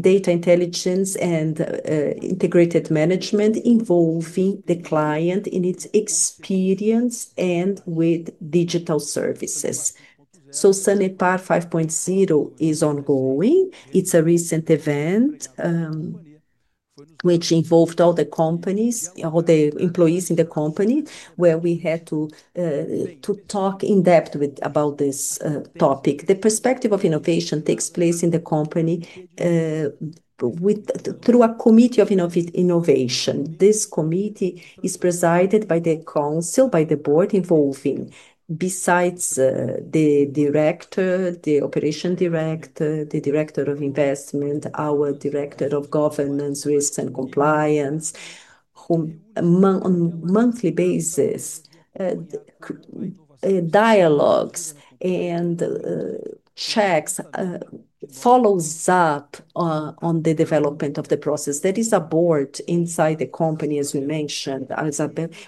data intelligence, and integrated management involving the client in its experience and with digital services. Sanepar 5.0 is ongoing. It's a recent event which involved all the companies, all the employees in the company, where we had to talk in depth about this topic. The perspective of innovation takes place in the company through a committee of innovation. This committee is presided by the council, by the board involving, besides the Director, the Operations Director, the Director of Investment, our Director of Governance, Risks, and Compliance, who on a monthly basis dialogs and checks, follows up on the development of the process. There is a board inside the company, as we mentioned,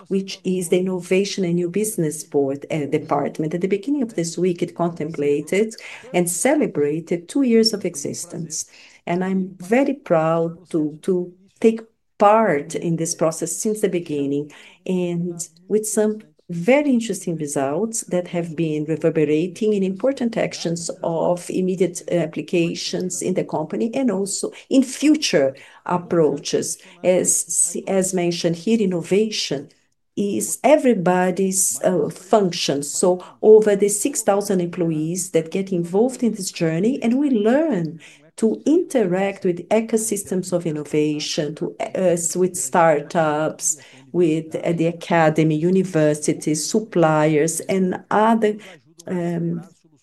which is the Innovation and New Business Board Department. At the beginning of this week, it contemplated and celebrated two years of existence. I'm very proud to take part in this process since the beginning and with some very interesting results that have been reverberating in important actions of immediate applications in the company and also in future approaches. As mentioned here, innovation is everybody's function. Over the 6,000 employees that get involved in this journey, we learn to interact with ecosystems of innovation, with startups, with the academy, universities, suppliers, and other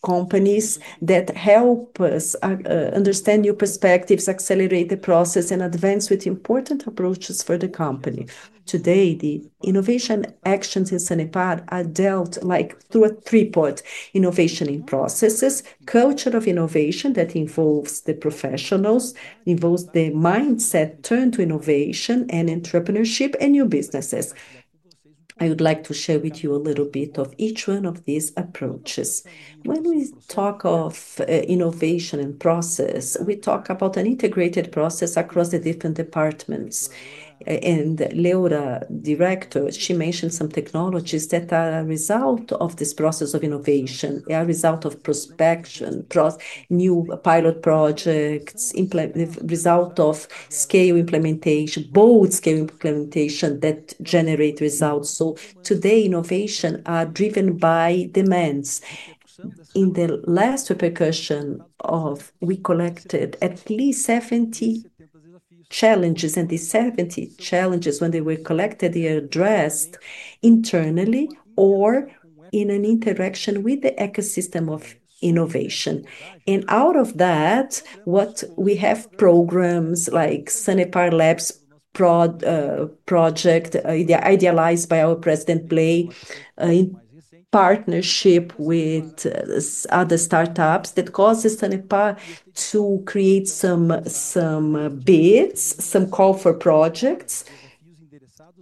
companies that help us understand new perspectives, accelerate the process, and advance with important approaches for the company. Today, the innovation actions in Sanepar are dealt with through a tripod: innovation in processes, culture of innovation that involves the professionals, involves the mindset turned to innovation and entrepreneurship, and new businesses. I would like to share with you a little bit of each one of these approaches. When we talk of innovation and process, we talk about an integrated process across the different departments. Leora, Director, she mentioned some technologies that are a result of this process of innovation, a result of prospection, new pilot projects, result of scale implementation, both scale implementation that generate results. So today, innovations are driven by demands. In the last repercussion, we collected at least 70 challenges, and the 70 challenges, when they were collected, they are addressed internally or in an interaction with the ecosystem of innovation. Out of that, we have programs like Sanepar Labs project, idealized by our President, Blay, in partnership with other startups that causes Sanepar to create some bids, some call for projects.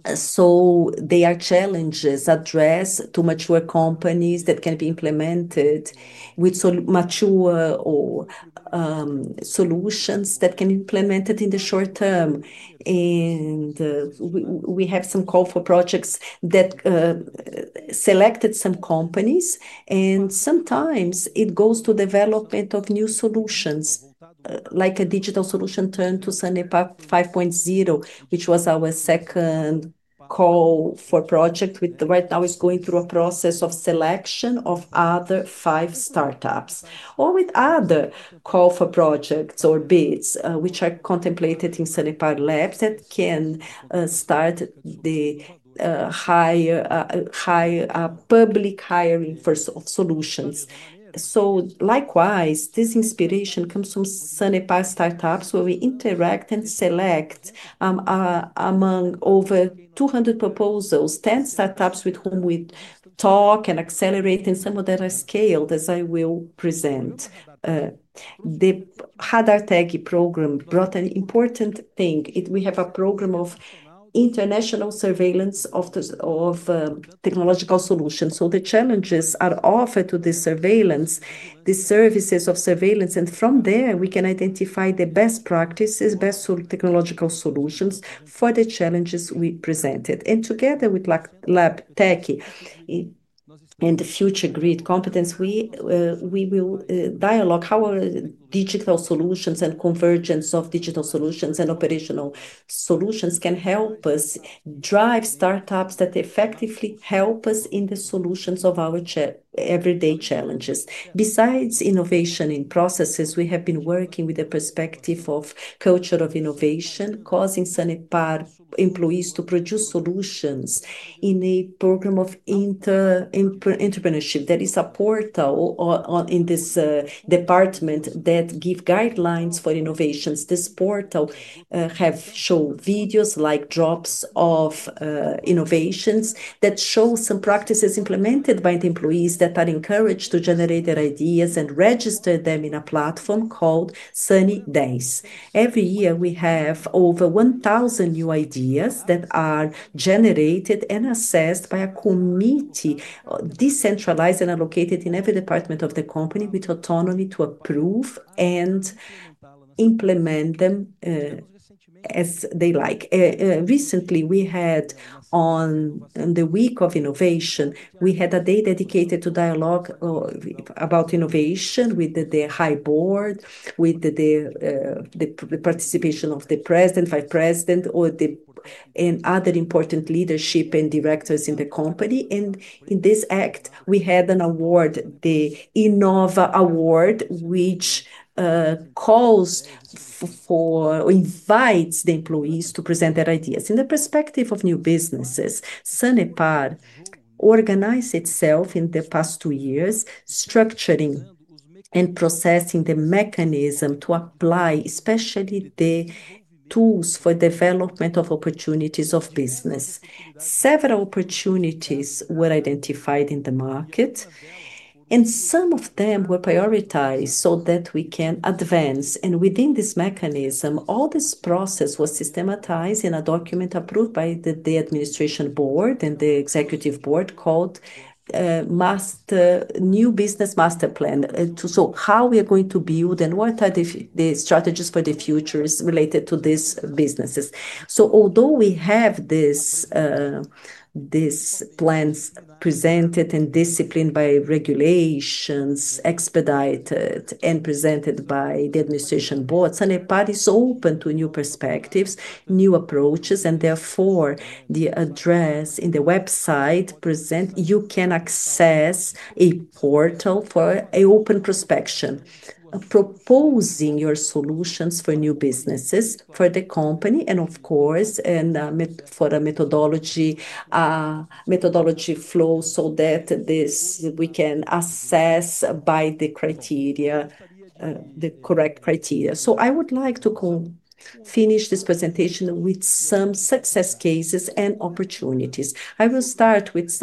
They are challenges addressed to mature companies that can be implemented with mature solutions that can be implemented in the short term. We have some calls for projects that selected some companies, and sometimes it goes to development of new solutions, like a digital solution turned to Sanepar 5.0, which was our second call for project, which right now is going through a process of selection of other five startups or with other calls for projects or bids which are contemplated in Sanepar Labs that can start the higher public hiring for solutions. Likewise, this inspiration comes from Sanepar startups where we interact and select among over 200 proposals, 10 startups with whom we talk and accelerate, and some of them are scaled, as I will present. The Hadar Tegi program brought an important thing. We have a program of international surveillance of technological solutions. The challenges are offered to the surveillance, the services of surveillance, and from there, we can identify the best practices, best technological solutions for the challenges we presented. Together with Lab Teki and the Future Grid competence, we will dialogue how digital solutions and convergence of digital solutions and operational solutions can help us drive startups that effectively help us in the solutions of our everyday challenges. Besides innovation in processes, we have been working with the perspective of culture of innovation, causing Sanepar employees to produce solutions in a program of entrepreneurship. There is a portal in this department that gives guidelines for innovations. This portal has shown videos, like drops of innovations that show some practices implemented by the employees that are encouraged to generate their ideas and register them in a platform called Sunny Days. Every year, we have over 1,000 new ideas that are generated and assessed by a committee decentralized and allocated in every department of the company with autonomy to approve and implement them as they like. Recently, we had, on the Week of Innovation, we had a day dedicated to dialogue about innovation with the high board, with the participation of the President, Vice President, and other important leadership and directors in the company. In this act, we had an award, the Innova Award, which calls for or invites the employees to present their ideas. In the perspective of new businesses, Sanepar organized itself in the past two years, structuring and processing the mechanism to apply especially the tools for development of opportunities of business. Several opportunities were identified in the market, and some of them were prioritized so that we can advance. Within this mechanism, all this process was systematized in a document approved by the administration board and the executive board called New Business Master Plan. How we are going to build and what are the strategies for the future related to these businesses. Although we have these plans presented and disciplined by regulations, expedited, and presented by the administration board, Sanepar is open to new perspectives, new approaches, and therefore, the address in the website presents, you can access a portal for an open prospection, proposing your solutions for new businesses, for the company, and of course, for a methodology flow so that we can assess by the criteria, the correct criteria. I would like to finish this presentation with some success cases and opportunities. I will start with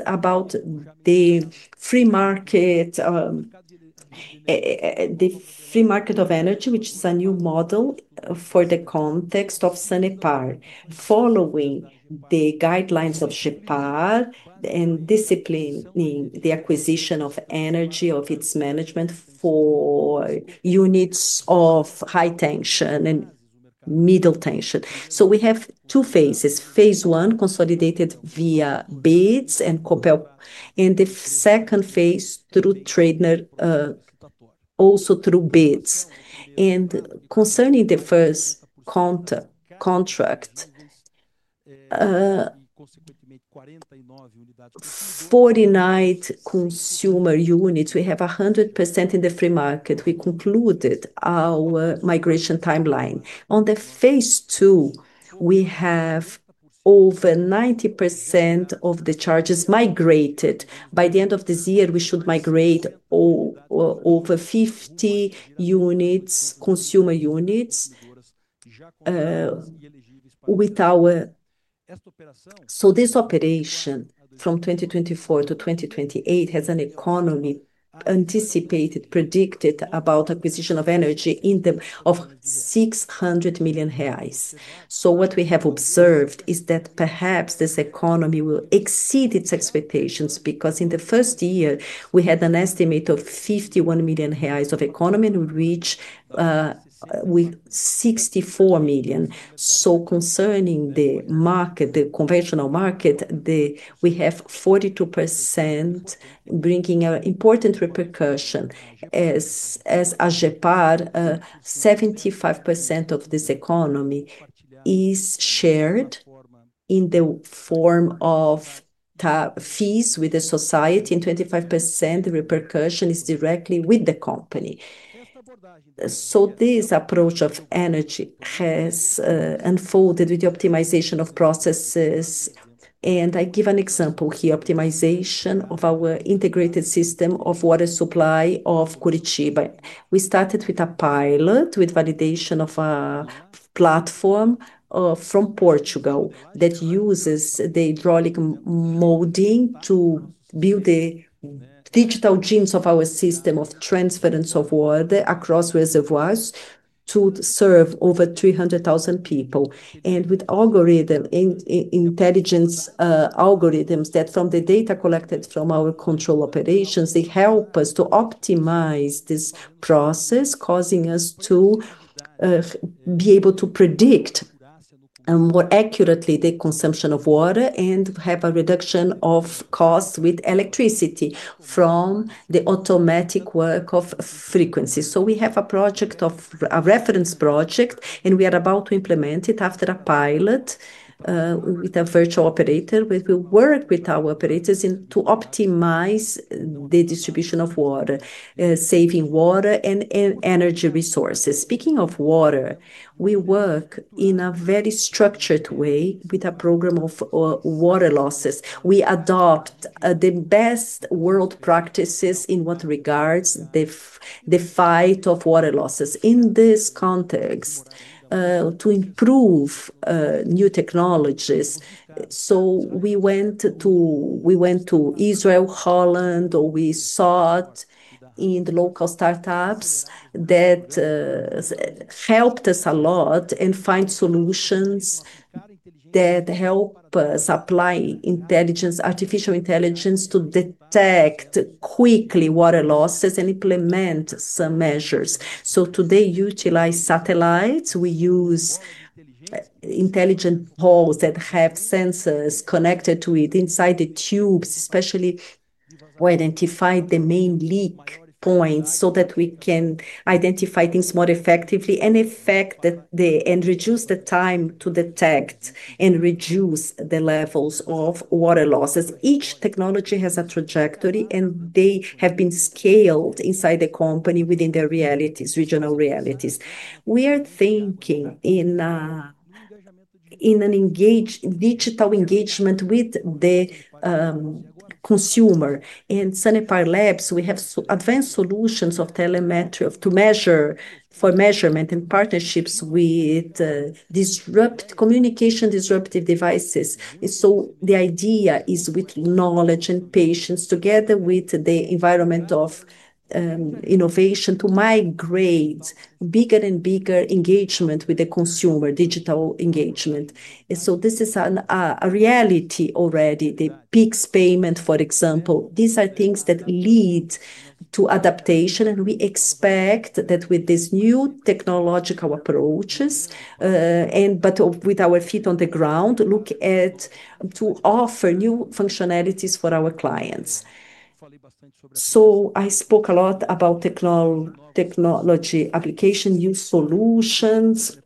the free market of energy, which is a new model for the context of Sanepar, following the guidelines of GEPAR and disciplining the acquisition of energy of its management for units of high tension and middle tension. We have two phases. Phase one, consolidated via bids and cooper, and the second phase through trader, also through bids. Concerning the first contract, 49 consumer units, we have 100% in the free market. We concluded our migration timeline. On the phase two, we have over 90% of the charges migrated. By the end of this year, we should migrate over 50 units, consumer units. This operation from 2024 to 2028 has an economy anticipated, predicted about acquisition of energy in the amount of R$600 million. What we have observed is that perhaps this economy will exceed its expectations because in the first year, we had an estimate of R$51 million of economy and we reached R$64 million. Concerning the market, the conventional market, we have 42% bringing an important repercussion as a GEPAR. 75% of this economy is shared in the form of fees with the society, and 25% repercussion is directly with the company. This approach of energy has unfolded with the optimization of processes. I give an example here, optimization of our integrated system of water supply of Curitiba. We started with a pilot with validation of a platform from Portugal that uses the hydraulic modeling to build the digital twins of our system of transference of water across reservoirs to serve over 300,000 people. With algorithms, intelligence algorithms that from the data collected from our control operations, they help us to optimize this process, causing us to be able to predict more accurately the consumption of water and have a reduction of costs with electricity from the automatic work of frequencies. We have a project of a reference project, and we are about to implement it after a pilot with a virtual operator where we work with our operators to optimize the distribution of water, saving water and energy resources. Speaking of water, we work in a very structured way with a program of water losses. We adopt the best world practices in what regards the fight of water losses. In this context, to improve new technologies, we went to Israel, Holland, or we sought in the local startups that helped us a lot and find solutions that help us apply artificial intelligence to detect quickly water losses and implement some measures. Today, we utilize satellites. We use intelligent poles that have sensors connected to it inside the tubes, especially to identify the main leak points so that we can identify things more effectively and reduce the time to detect and reduce the levels of water losses. Each technology has a trajectory, and they have been scaled inside the company within their realities, regional realities. We are thinking in digital engagement with the consumer. In Sanepar Labs, we have advanced solutions of telemetry for measurement and partnerships with communication disruptive devices. The idea is with knowledge and patience together with the environment of innovation to migrate bigger and bigger engagement with the consumer, digital engagement. This is a reality already. The PIX payment, for example, these are things that lead to adaptation, and we expect that with these new technological approaches, but with our feet on the ground, to offer new functionalities for our clients. I spoke a lot about technology application, new solutions,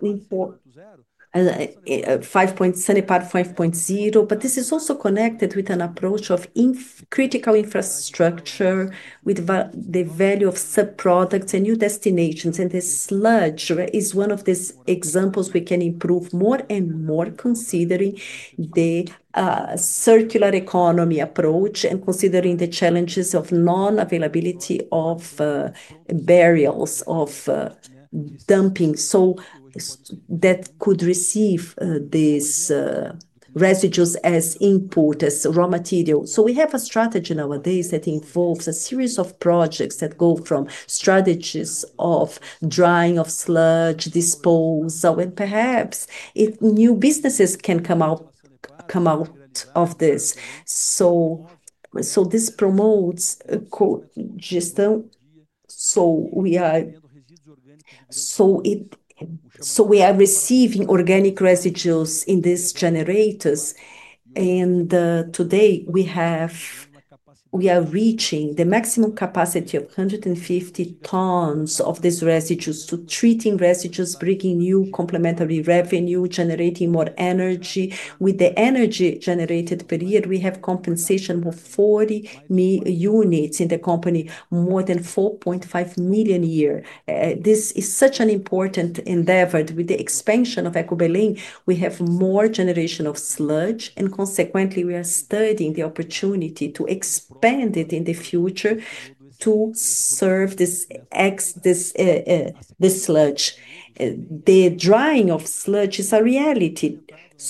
Sanepar 5.0, but this is also connected with an approach of critical infrastructure with the value of subproducts and new destinations. The sludge is one of these examples we can improve more and more, considering the circular economy approach and considering the challenges of non-availability of barrels, of dumping that could receive these residues as input, as raw material. We have a strategy nowadays that involves a series of projects that go from strategies of drying of sludge, disposal, and perhaps new businesses can come out of this. This promotes co-digestion. We are receiving organic residues in these generators. Today, we are reaching the maximum capacity of 150 tons of these residues to treating residues, bringing new complementary revenue, generating more energy. With the energy-generated period, we have compensation of 40 units in the company, more than $4.5 million a year. This is such an important endeavor. With the expansion of EcoBerlin, we have more generation of sludge, and consequently, we are studying the opportunity to expand it in the future to serve this sludge. The drying of sludge is a reality.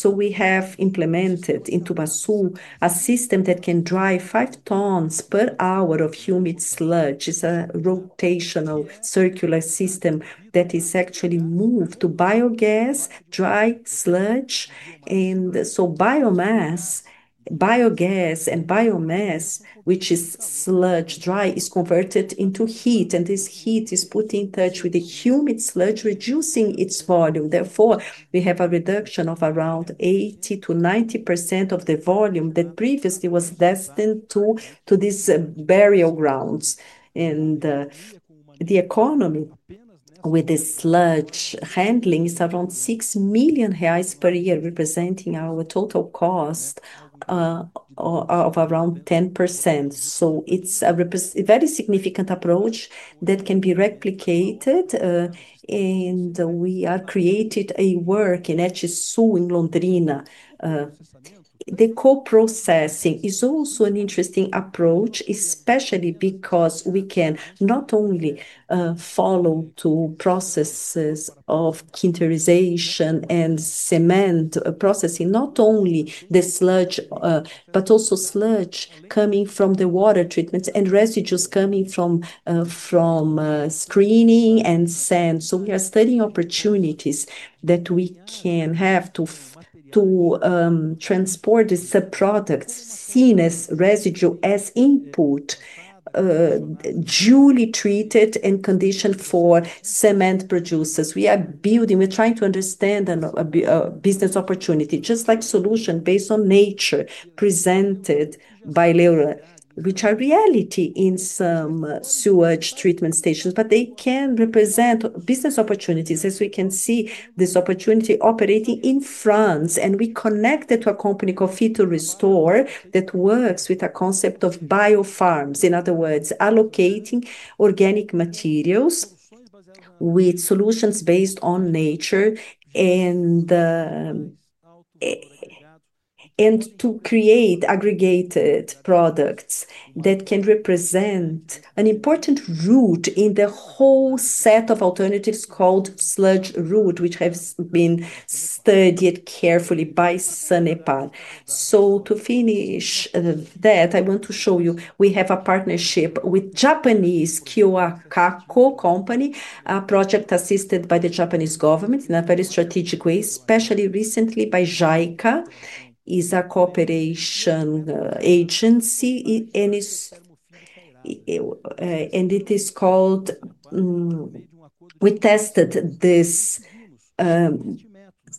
We have implemented in Tubasu a system that can dry 5 tons per hour of humid sludge. It's a rotational circular system that is actually moved to biogas, dry sludge. Biomass, biogas, and biomass, which is sludge, dry, is converted into heat, and this heat is put in touch with the humid sludge, reducing its volume. Therefore, we have a reduction of around 80% to 90% of the volume that previously was destined to these burial grounds. The economy with the sludge handling is around R$6 million per year, representing our total cost of around 10%. So it's a very significant approach that can be replicated. We have created a work in HSU in Londrina. The co-processing is also an interesting approach, especially because we can not only follow processes of clinkerization and cement processing, not only the sludge, but also sludge coming from the water treatments and residues coming from screening and sand. We are studying opportunities that we can have to transport the subproducts seen as residue as input, duly treated and conditioned for cement producers. We are building, we're trying to understand a business opportunity, just like solution based on nature presented by LERA, which are reality in some sewage treatment stations, but they can represent business opportunities. We can see this opportunity operating in France, and we connected to a company called FitoRestore that works with a concept of biofarms. In other words, allocating organic materials with solutions based on nature and to create aggregated products that can represent an important route in the whole set of alternatives called sludge route, which has been studied carefully by Sanepar. To finish that, I want to show you we have a partnership with Japanese Kyoaka Co Company, a project assisted by the Japanese government in a very strategic way, especially recently by JICA. It is a cooperation agency, and it is called we tested this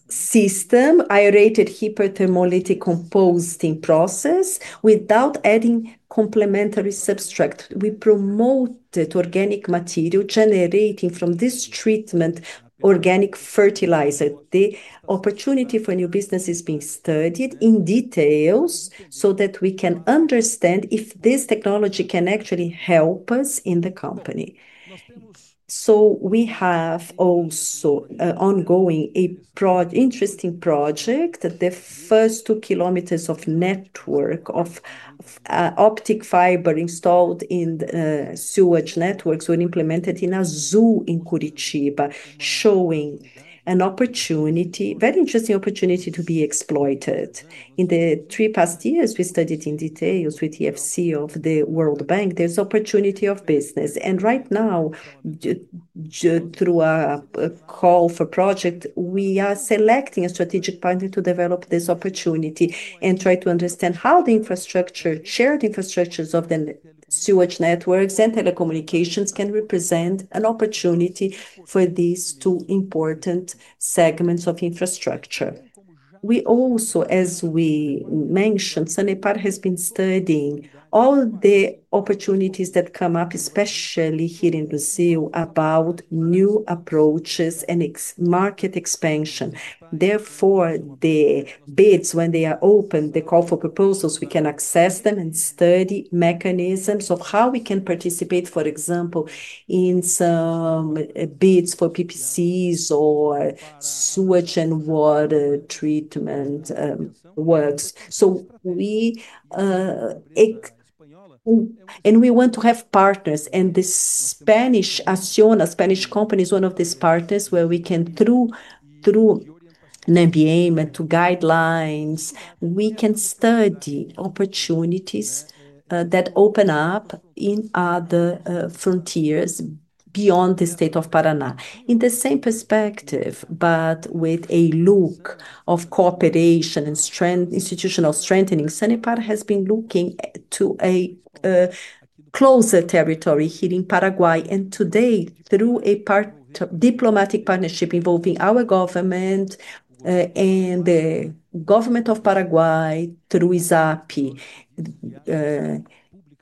system, aerated hyperthermolytic composting process without adding complementary substrate. We promoted organic material generating from this treatment, organic fertilizer. The opportunity for new business is being studied in details so that we can understand if this technology can actually help us in the company. We have also ongoing an interesting project. The first two kilometers of network of optic fiber installed in sewage networks were implemented in a zoo in Curitiba, showing an opportunity, very interesting opportunity to be exploited. In the three past years, we studied in detail with the FC of the World Bank. There's opportunity of business. Right now, through a call for project, we are selecting a strategic partner to develop this opportunity and try to understand how the shared infrastructures of the sewage networks and telecommunications can represent an opportunity for these two important segments of infrastructure. We also, as we mentioned, Sanepar has been studying all the opportunities that come up, especially here in Brazil, about new approaches and market expansion. Therefore, the bids, when they are open, the call for proposals, we can access them and study mechanisms of how we can participate, for example, in some bids for PPCs or sewage and water treatment works. We want to have partners. The Spanish Acciona, Spanish company is one of these partners where we can, through an environment, through guidelines, we can study opportunities that open up in other frontiers beyond the state of Paraná. In the same perspective, but with a look of cooperation and institutional strengthening, Sanepar has been looking to a closer territory here in Paraguay. Today, through a diplomatic partnership involving our government and the government of Paraguay through ISAPI,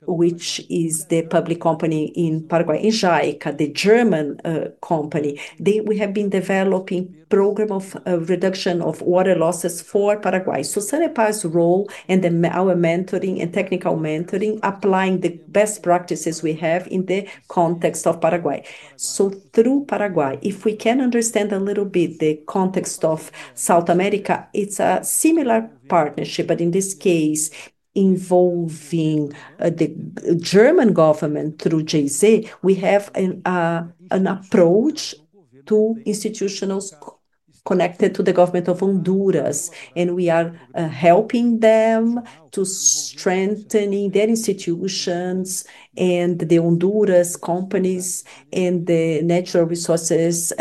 which is the public company in Paraguay, and JICA, the German company, we have been developing a program of reduction of water losses for Paraguay. Sanepar's role and our mentoring and technical mentoring, applying the best practices we have in the context of Paraguay. Through Paraguay, if we can understand a little bit the context of South America, it's a similar partnership, but in this case, involving the German government through GIZ, we have an approach to institutions connected to the government of Honduras. We are helping them to strengthen their institutions and the Honduras companies and the natural resources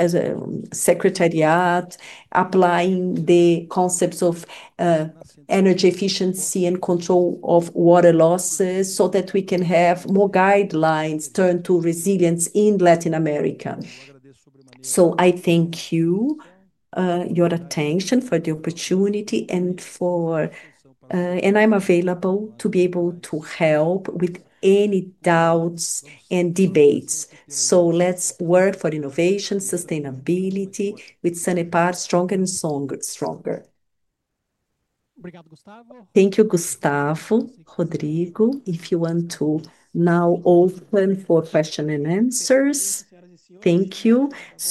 secretariat, applying the concepts of energy efficiency and control of water losses so that we can have more guidelines turned to resilience in Latin America. I thank you for your attention and for the opportunity, and I'm available to be able to help with any doubts and debates. Let's work for innovation, sustainability with Sanepar stronger and stronger. Thank you, Gustavo. Rodrigo, if you want to now open for questions and answers. Thank you.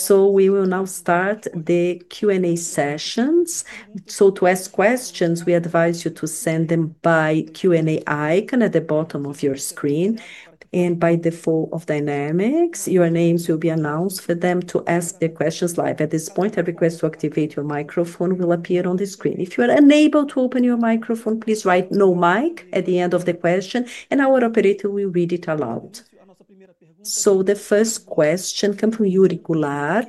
We will now start the Q&A sessions. To ask questions, we advise you to send them by Q&A icon at the bottom of your screen. By default of dynamics, your names will be announced for them to ask the questions live. At this point, a request to activate your microphone will appear on the screen. If you are unable to open your microphone, please write "no mic" at the end of the question, and our operator will read it aloud. The first question comes from Yuri Gular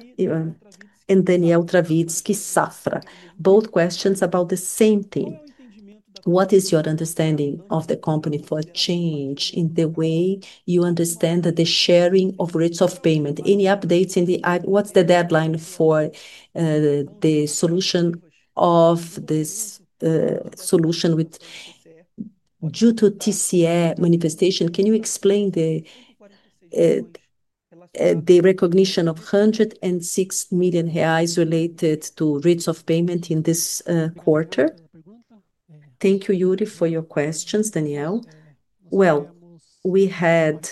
and Daniel Travitzky Safra. Both questions about the same thing. What is your understanding of the company for change in the way you understand the sharing of rates of payment? Any updates on what's the deadline for the solution of this solution with due to TCA manifestation? Can you explain the recognition of R$106 million related to rates of payment in this quarter? Thank you, Yuri, for your questions, Daniel. We had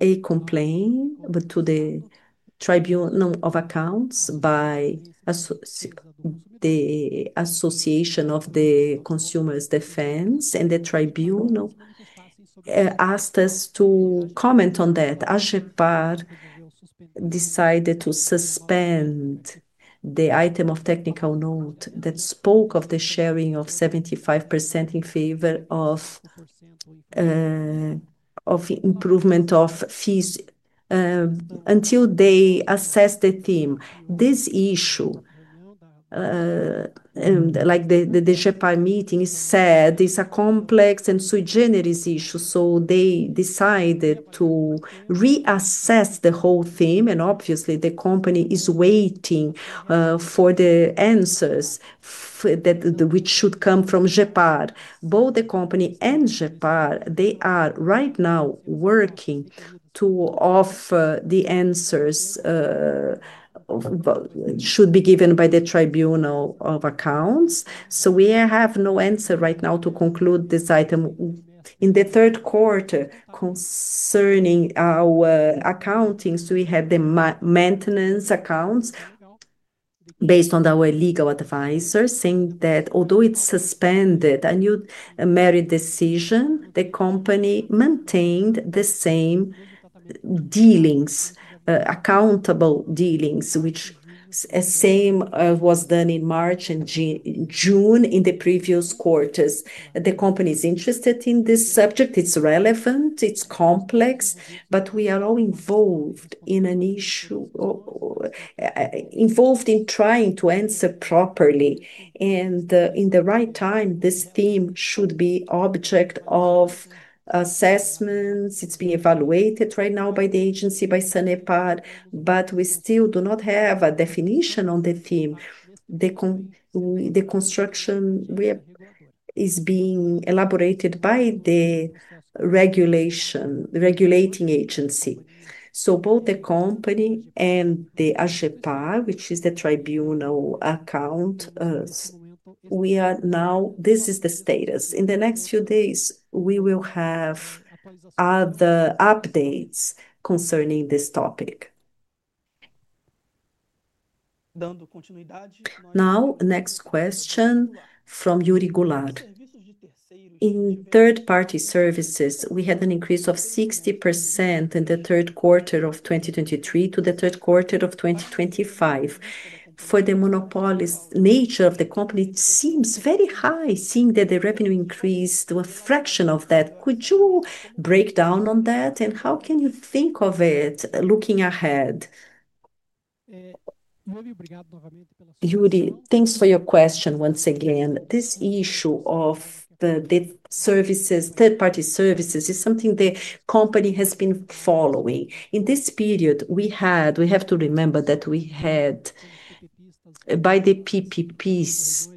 a complaint to the Tribunal of Accounts by the Association of the Consumers' Defense, and the Tribunal asked us to comment on that. AGEPAR decided to suspend the item of technical note that spoke of the sharing of 75% in favor of improvement of fees until they assess the theme. This issue, like the DGEPAR meeting said, is a complex and sui generis issue. They decided to reassess the whole theme, and obviously, the company is waiting for the answers which should come from GEPAR. Both the company and GEPAR are right now working to offer the answers that should be given by the Tribunal of Accounts. We have no answer right now to conclude this item. In the third quarter concerning our accounting, we had the maintenance accounts based on our legal advisor saying that although it's suspended a new merit decision, the company maintained the same dealings, accountable dealings, which same was done in March and June in the previous quarters. The company is interested in this subject. It's relevant. It's complex, but we are all involved in an issue, involved in trying to answer properly. In the right time, this theme should be object of assessments. It's being evaluated right now by the agency, by Sanepar, but we still do not have a definition on the theme. The construction is being elaborated by the regulating agency. So both the company and the AGEPA, which is the Tribunal account, we are now, this is the status. In the next few days, we will have other updates concerning this topic. Next question from Yuri Gular. In third-party services, we had an increase of 60% in the third quarter of 2023 to the third quarter of 2025. For the monopoly nature of the company, it seems very high, seeing that the revenue increased to a fraction of that. Could you break down on that? How can you think of it looking ahead? Yuri, thanks for your question once again. This issue of the third-party services is something the company has been following. In this period, we had, we have to remember that we had, by the PPPs,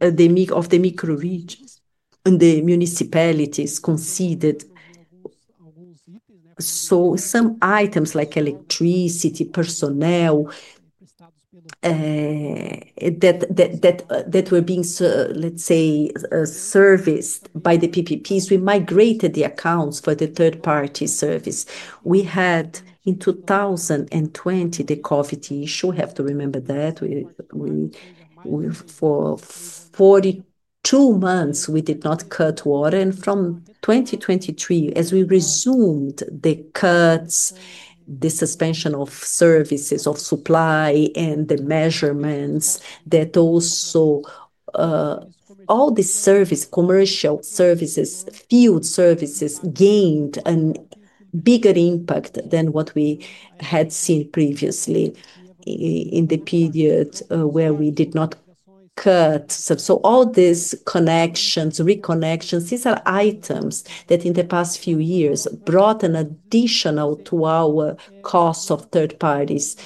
the micro-regions and the municipalities conceded. So some items like electricity, personnel, that were being serviced by the PPPs, we migrated the accounts for the third-party service. We had, in 2020, the COVID issue, have to remember that. For 42 months, we did not cut water. From 2023, as we resumed the cuts, the suspension of services of supply and the measurements, that also all the service, commercial services, field services gained a bigger impact than what we had seen previously in the period where we did not cut. All these connections, reconnections, these are items that in the past few years brought an additional cost to our third parties,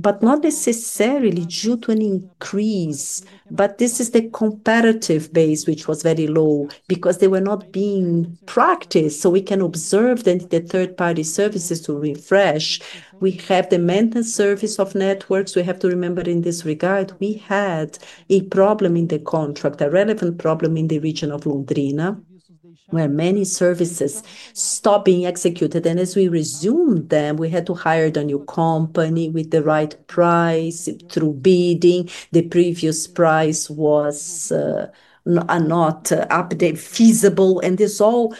but not necessarily due to an increase, but this is the comparative base, which was very low because they were not being practiced. We can observe that the third-party services need to refresh. We have the maintenance service of networks. We have to remember in this regard, we had a problem in the contract, a relevant problem in the region of Londrina, where many services stopped being executed. As we resumed them, we had to hire the new company with the right price through bidding. The previous price was not feasible. This all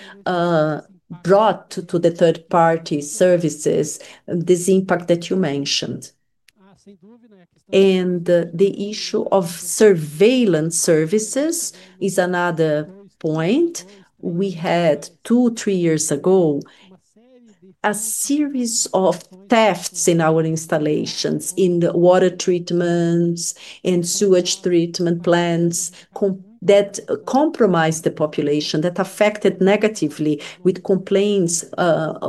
brought to the third-party services this impact that you mentioned. The issue of surveillance services is another point. We had two, three years ago, a series of thefts in our installations in the water treatments and sewage treatment plants that compromised the population, that affected negatively with complaints from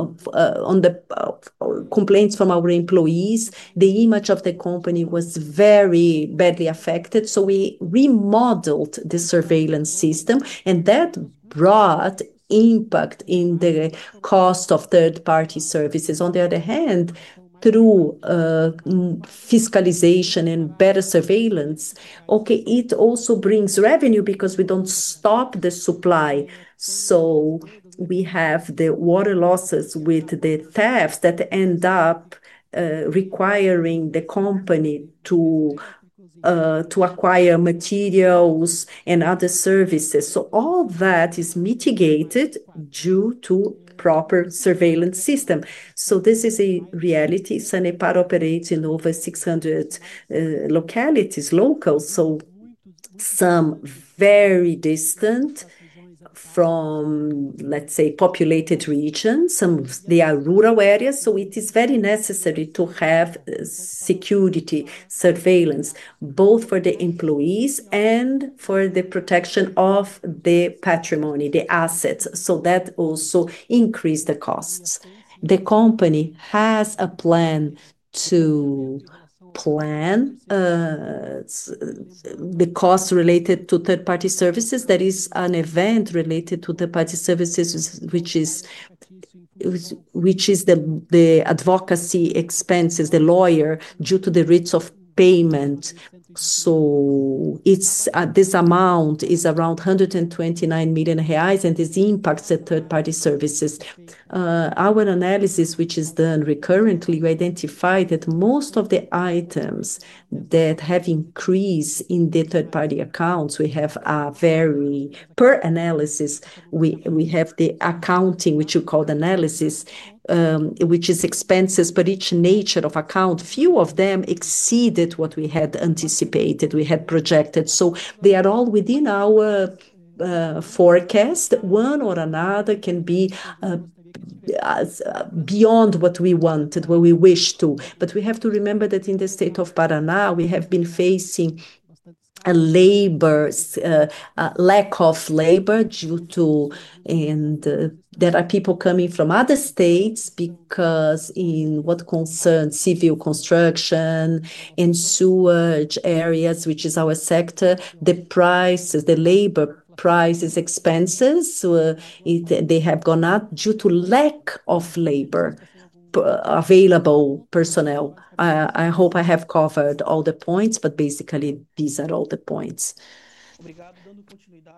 our employees. The image of the company was very badly affected. We remodeled the surveillance system, and that brought impact in the cost of third-party services. On the other hand, through fiscalization and better surveillance, it also brings revenue because we don't stop the supply. We have the water losses with the thefts that end up requiring the company to acquire materials and other services. All that is mitigated due to proper surveillance system. This is a reality. Sanepar operates in over 600 localities. Some very distant from, let's say, populated regions. They are rural areas. It is very necessary to have security surveillance, both for the employees and for the protection of the patrimony, the assets. That also increased the costs. The company has a plan to plan the costs related to third-party services. There is an event related to third-party services, which is the advocacy expenses, the lawyer, due to the rates of payment. This amount is around R$129 million, and this impacts the third-party services. Our analysis, which is done recurrently, we identify that most of the items that have increased in the third-party accounts, we have a very detailed analysis, we have the accounting, which you called analysis, which is expenses, but each nature of account, few of them exceeded what we had anticipated, what we had projected. They are all within our forecast. One or another can be beyond what we wanted, what we wished for. But we have to remember that in the state of Paraná, we have been facing a lack of labor due to, and there are people coming from other states because in what concerns civil construction and sewage areas, which is our sector, the prices, the labor prices, expenses, they have gone up due to lack of labor, available personnel. I hope I have covered all the points, but basically, these are all the points.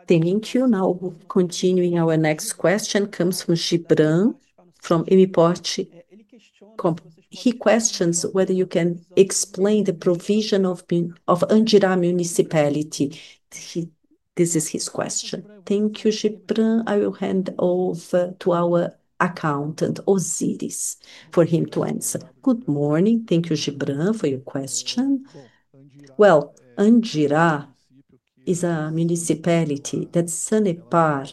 Thank you. Now we'll continue in our next question. Comes from Gibran, from MIPORT. He questions whether you can explain the provision of Andjira municipality. This is his question. Thank you, Gibran. I will hand over to our Accountant, Osiris, for him to answer. Good morning. Thank you, Gibran, for your question. Andjira is a municipality that Sanepar,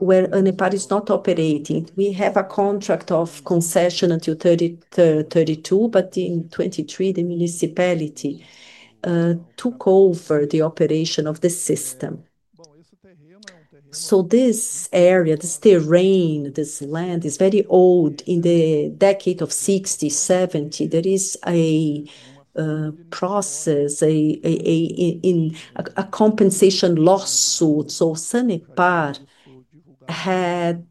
where Andjira is not operating. We have a contract of concession until 2032, but in 2023, the municipality took over the operation of the system. This area, this terrain, this land is very old. In the decade of the 60s and 70s, there is a process, a compensation lawsuit. Sanepar had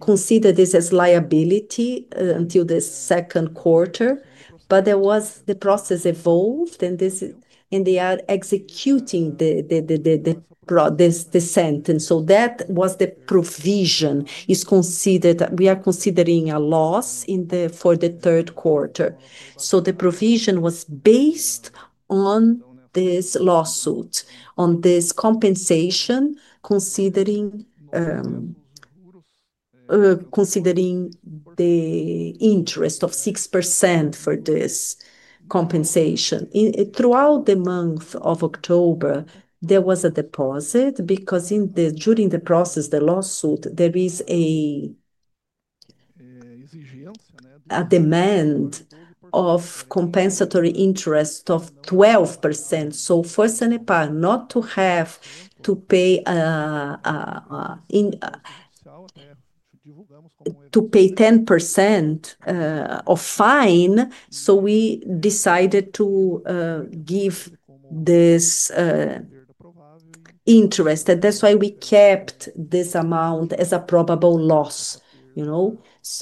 considered this as liability until the second quarter, but the process evolved, and they are executing the sentence. That was the provision. We are considering a loss for the third quarter. The provision was based on this lawsuit, on this compensation, considering the interest of 6% for this compensation. Throughout the month of October, there was a deposit because during the process, the lawsuit, there is a demand of compensatory interest of 12%. For Sanepar not to have to pay 10% of fine, we decided to give this interest. That's why we kept this amount as a probable loss. This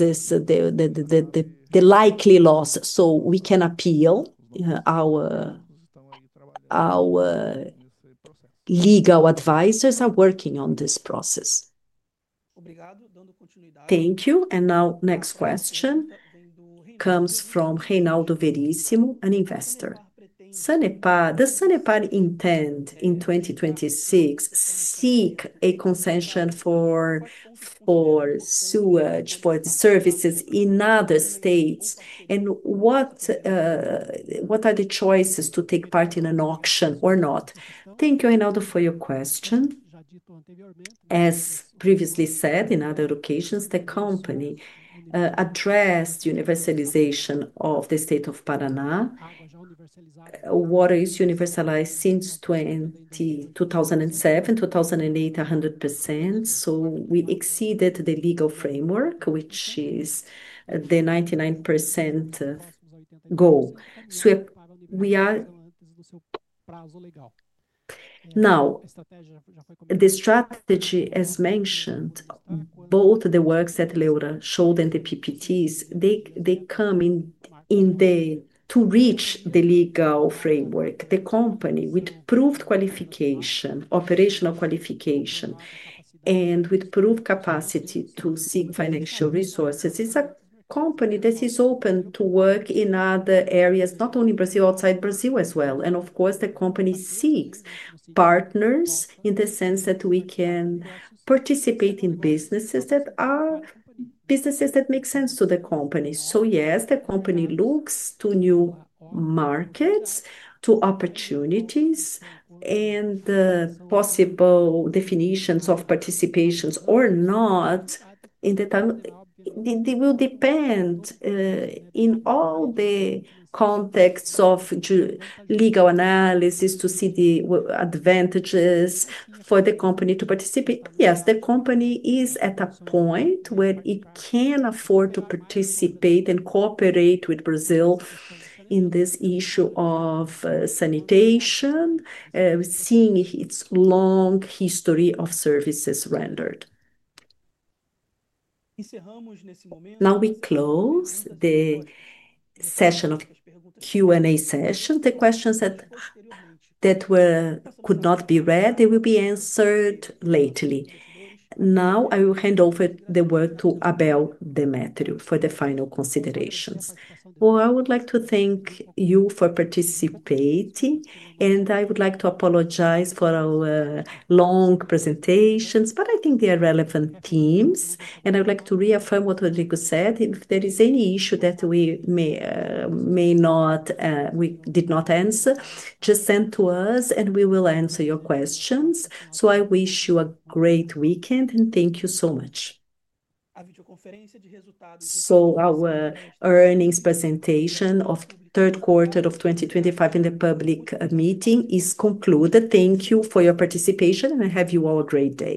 is the likely loss. We can appeal. Our legal advisors are working on this process. Thank you. The next question comes from Reinaldo Veríssimo, an investor. Sanepar, does Sanepar intend in 2026 to seek a consent for sewage, for the services in other states? What are the choices to take part in an auction or not? Thank you, Reinaldo, for your question. As previously said, in other locations, the company addressed universalization of the state of Paraná. Water is universalized since 2007, 2008, 100%. We exceeded the legal framework, which is the 99% goal. Now, the strategy, as mentioned, both the works that Leura showed and the PPTs, they come in to reach the legal framework. The company, with proven qualification, operational qualification, and with proven capacity to seek financial resources, is a company that is open to work in other areas, not only Brazil, outside Brazil as well. Of course, the company seeks partners in the sense that we can participate in businesses that are businesses that make sense to the company. Yes, the company looks to new markets, to opportunities, and possible definitions of participations or not in the time. They will depend on all the contexts of legal analysis to see the advantages for the company to participate. Yes, the company is at a point where it can afford to participate and cooperate with Brazil in this issue of sanitation, seeing its long history of services rendered. Now we close the session of Q&A sessions. The questions that could not be read, they will be answered later. Now I will hand over the word to Abel Demetrio for the final considerations. Well, I would like to thank you for participating, and I would like to apologize for our long presentations, but I think they are relevant themes. I would like to reaffirm what Rodrigo said. If there is any issue that we may not, we did not answer, just send to us, and we will answer your questions. I wish you a great weekend, and thank you so much. Our earnings presentation of third quarter of 2025 in the public meeting is concluded. Thank you for your participation, and I have you all a great day.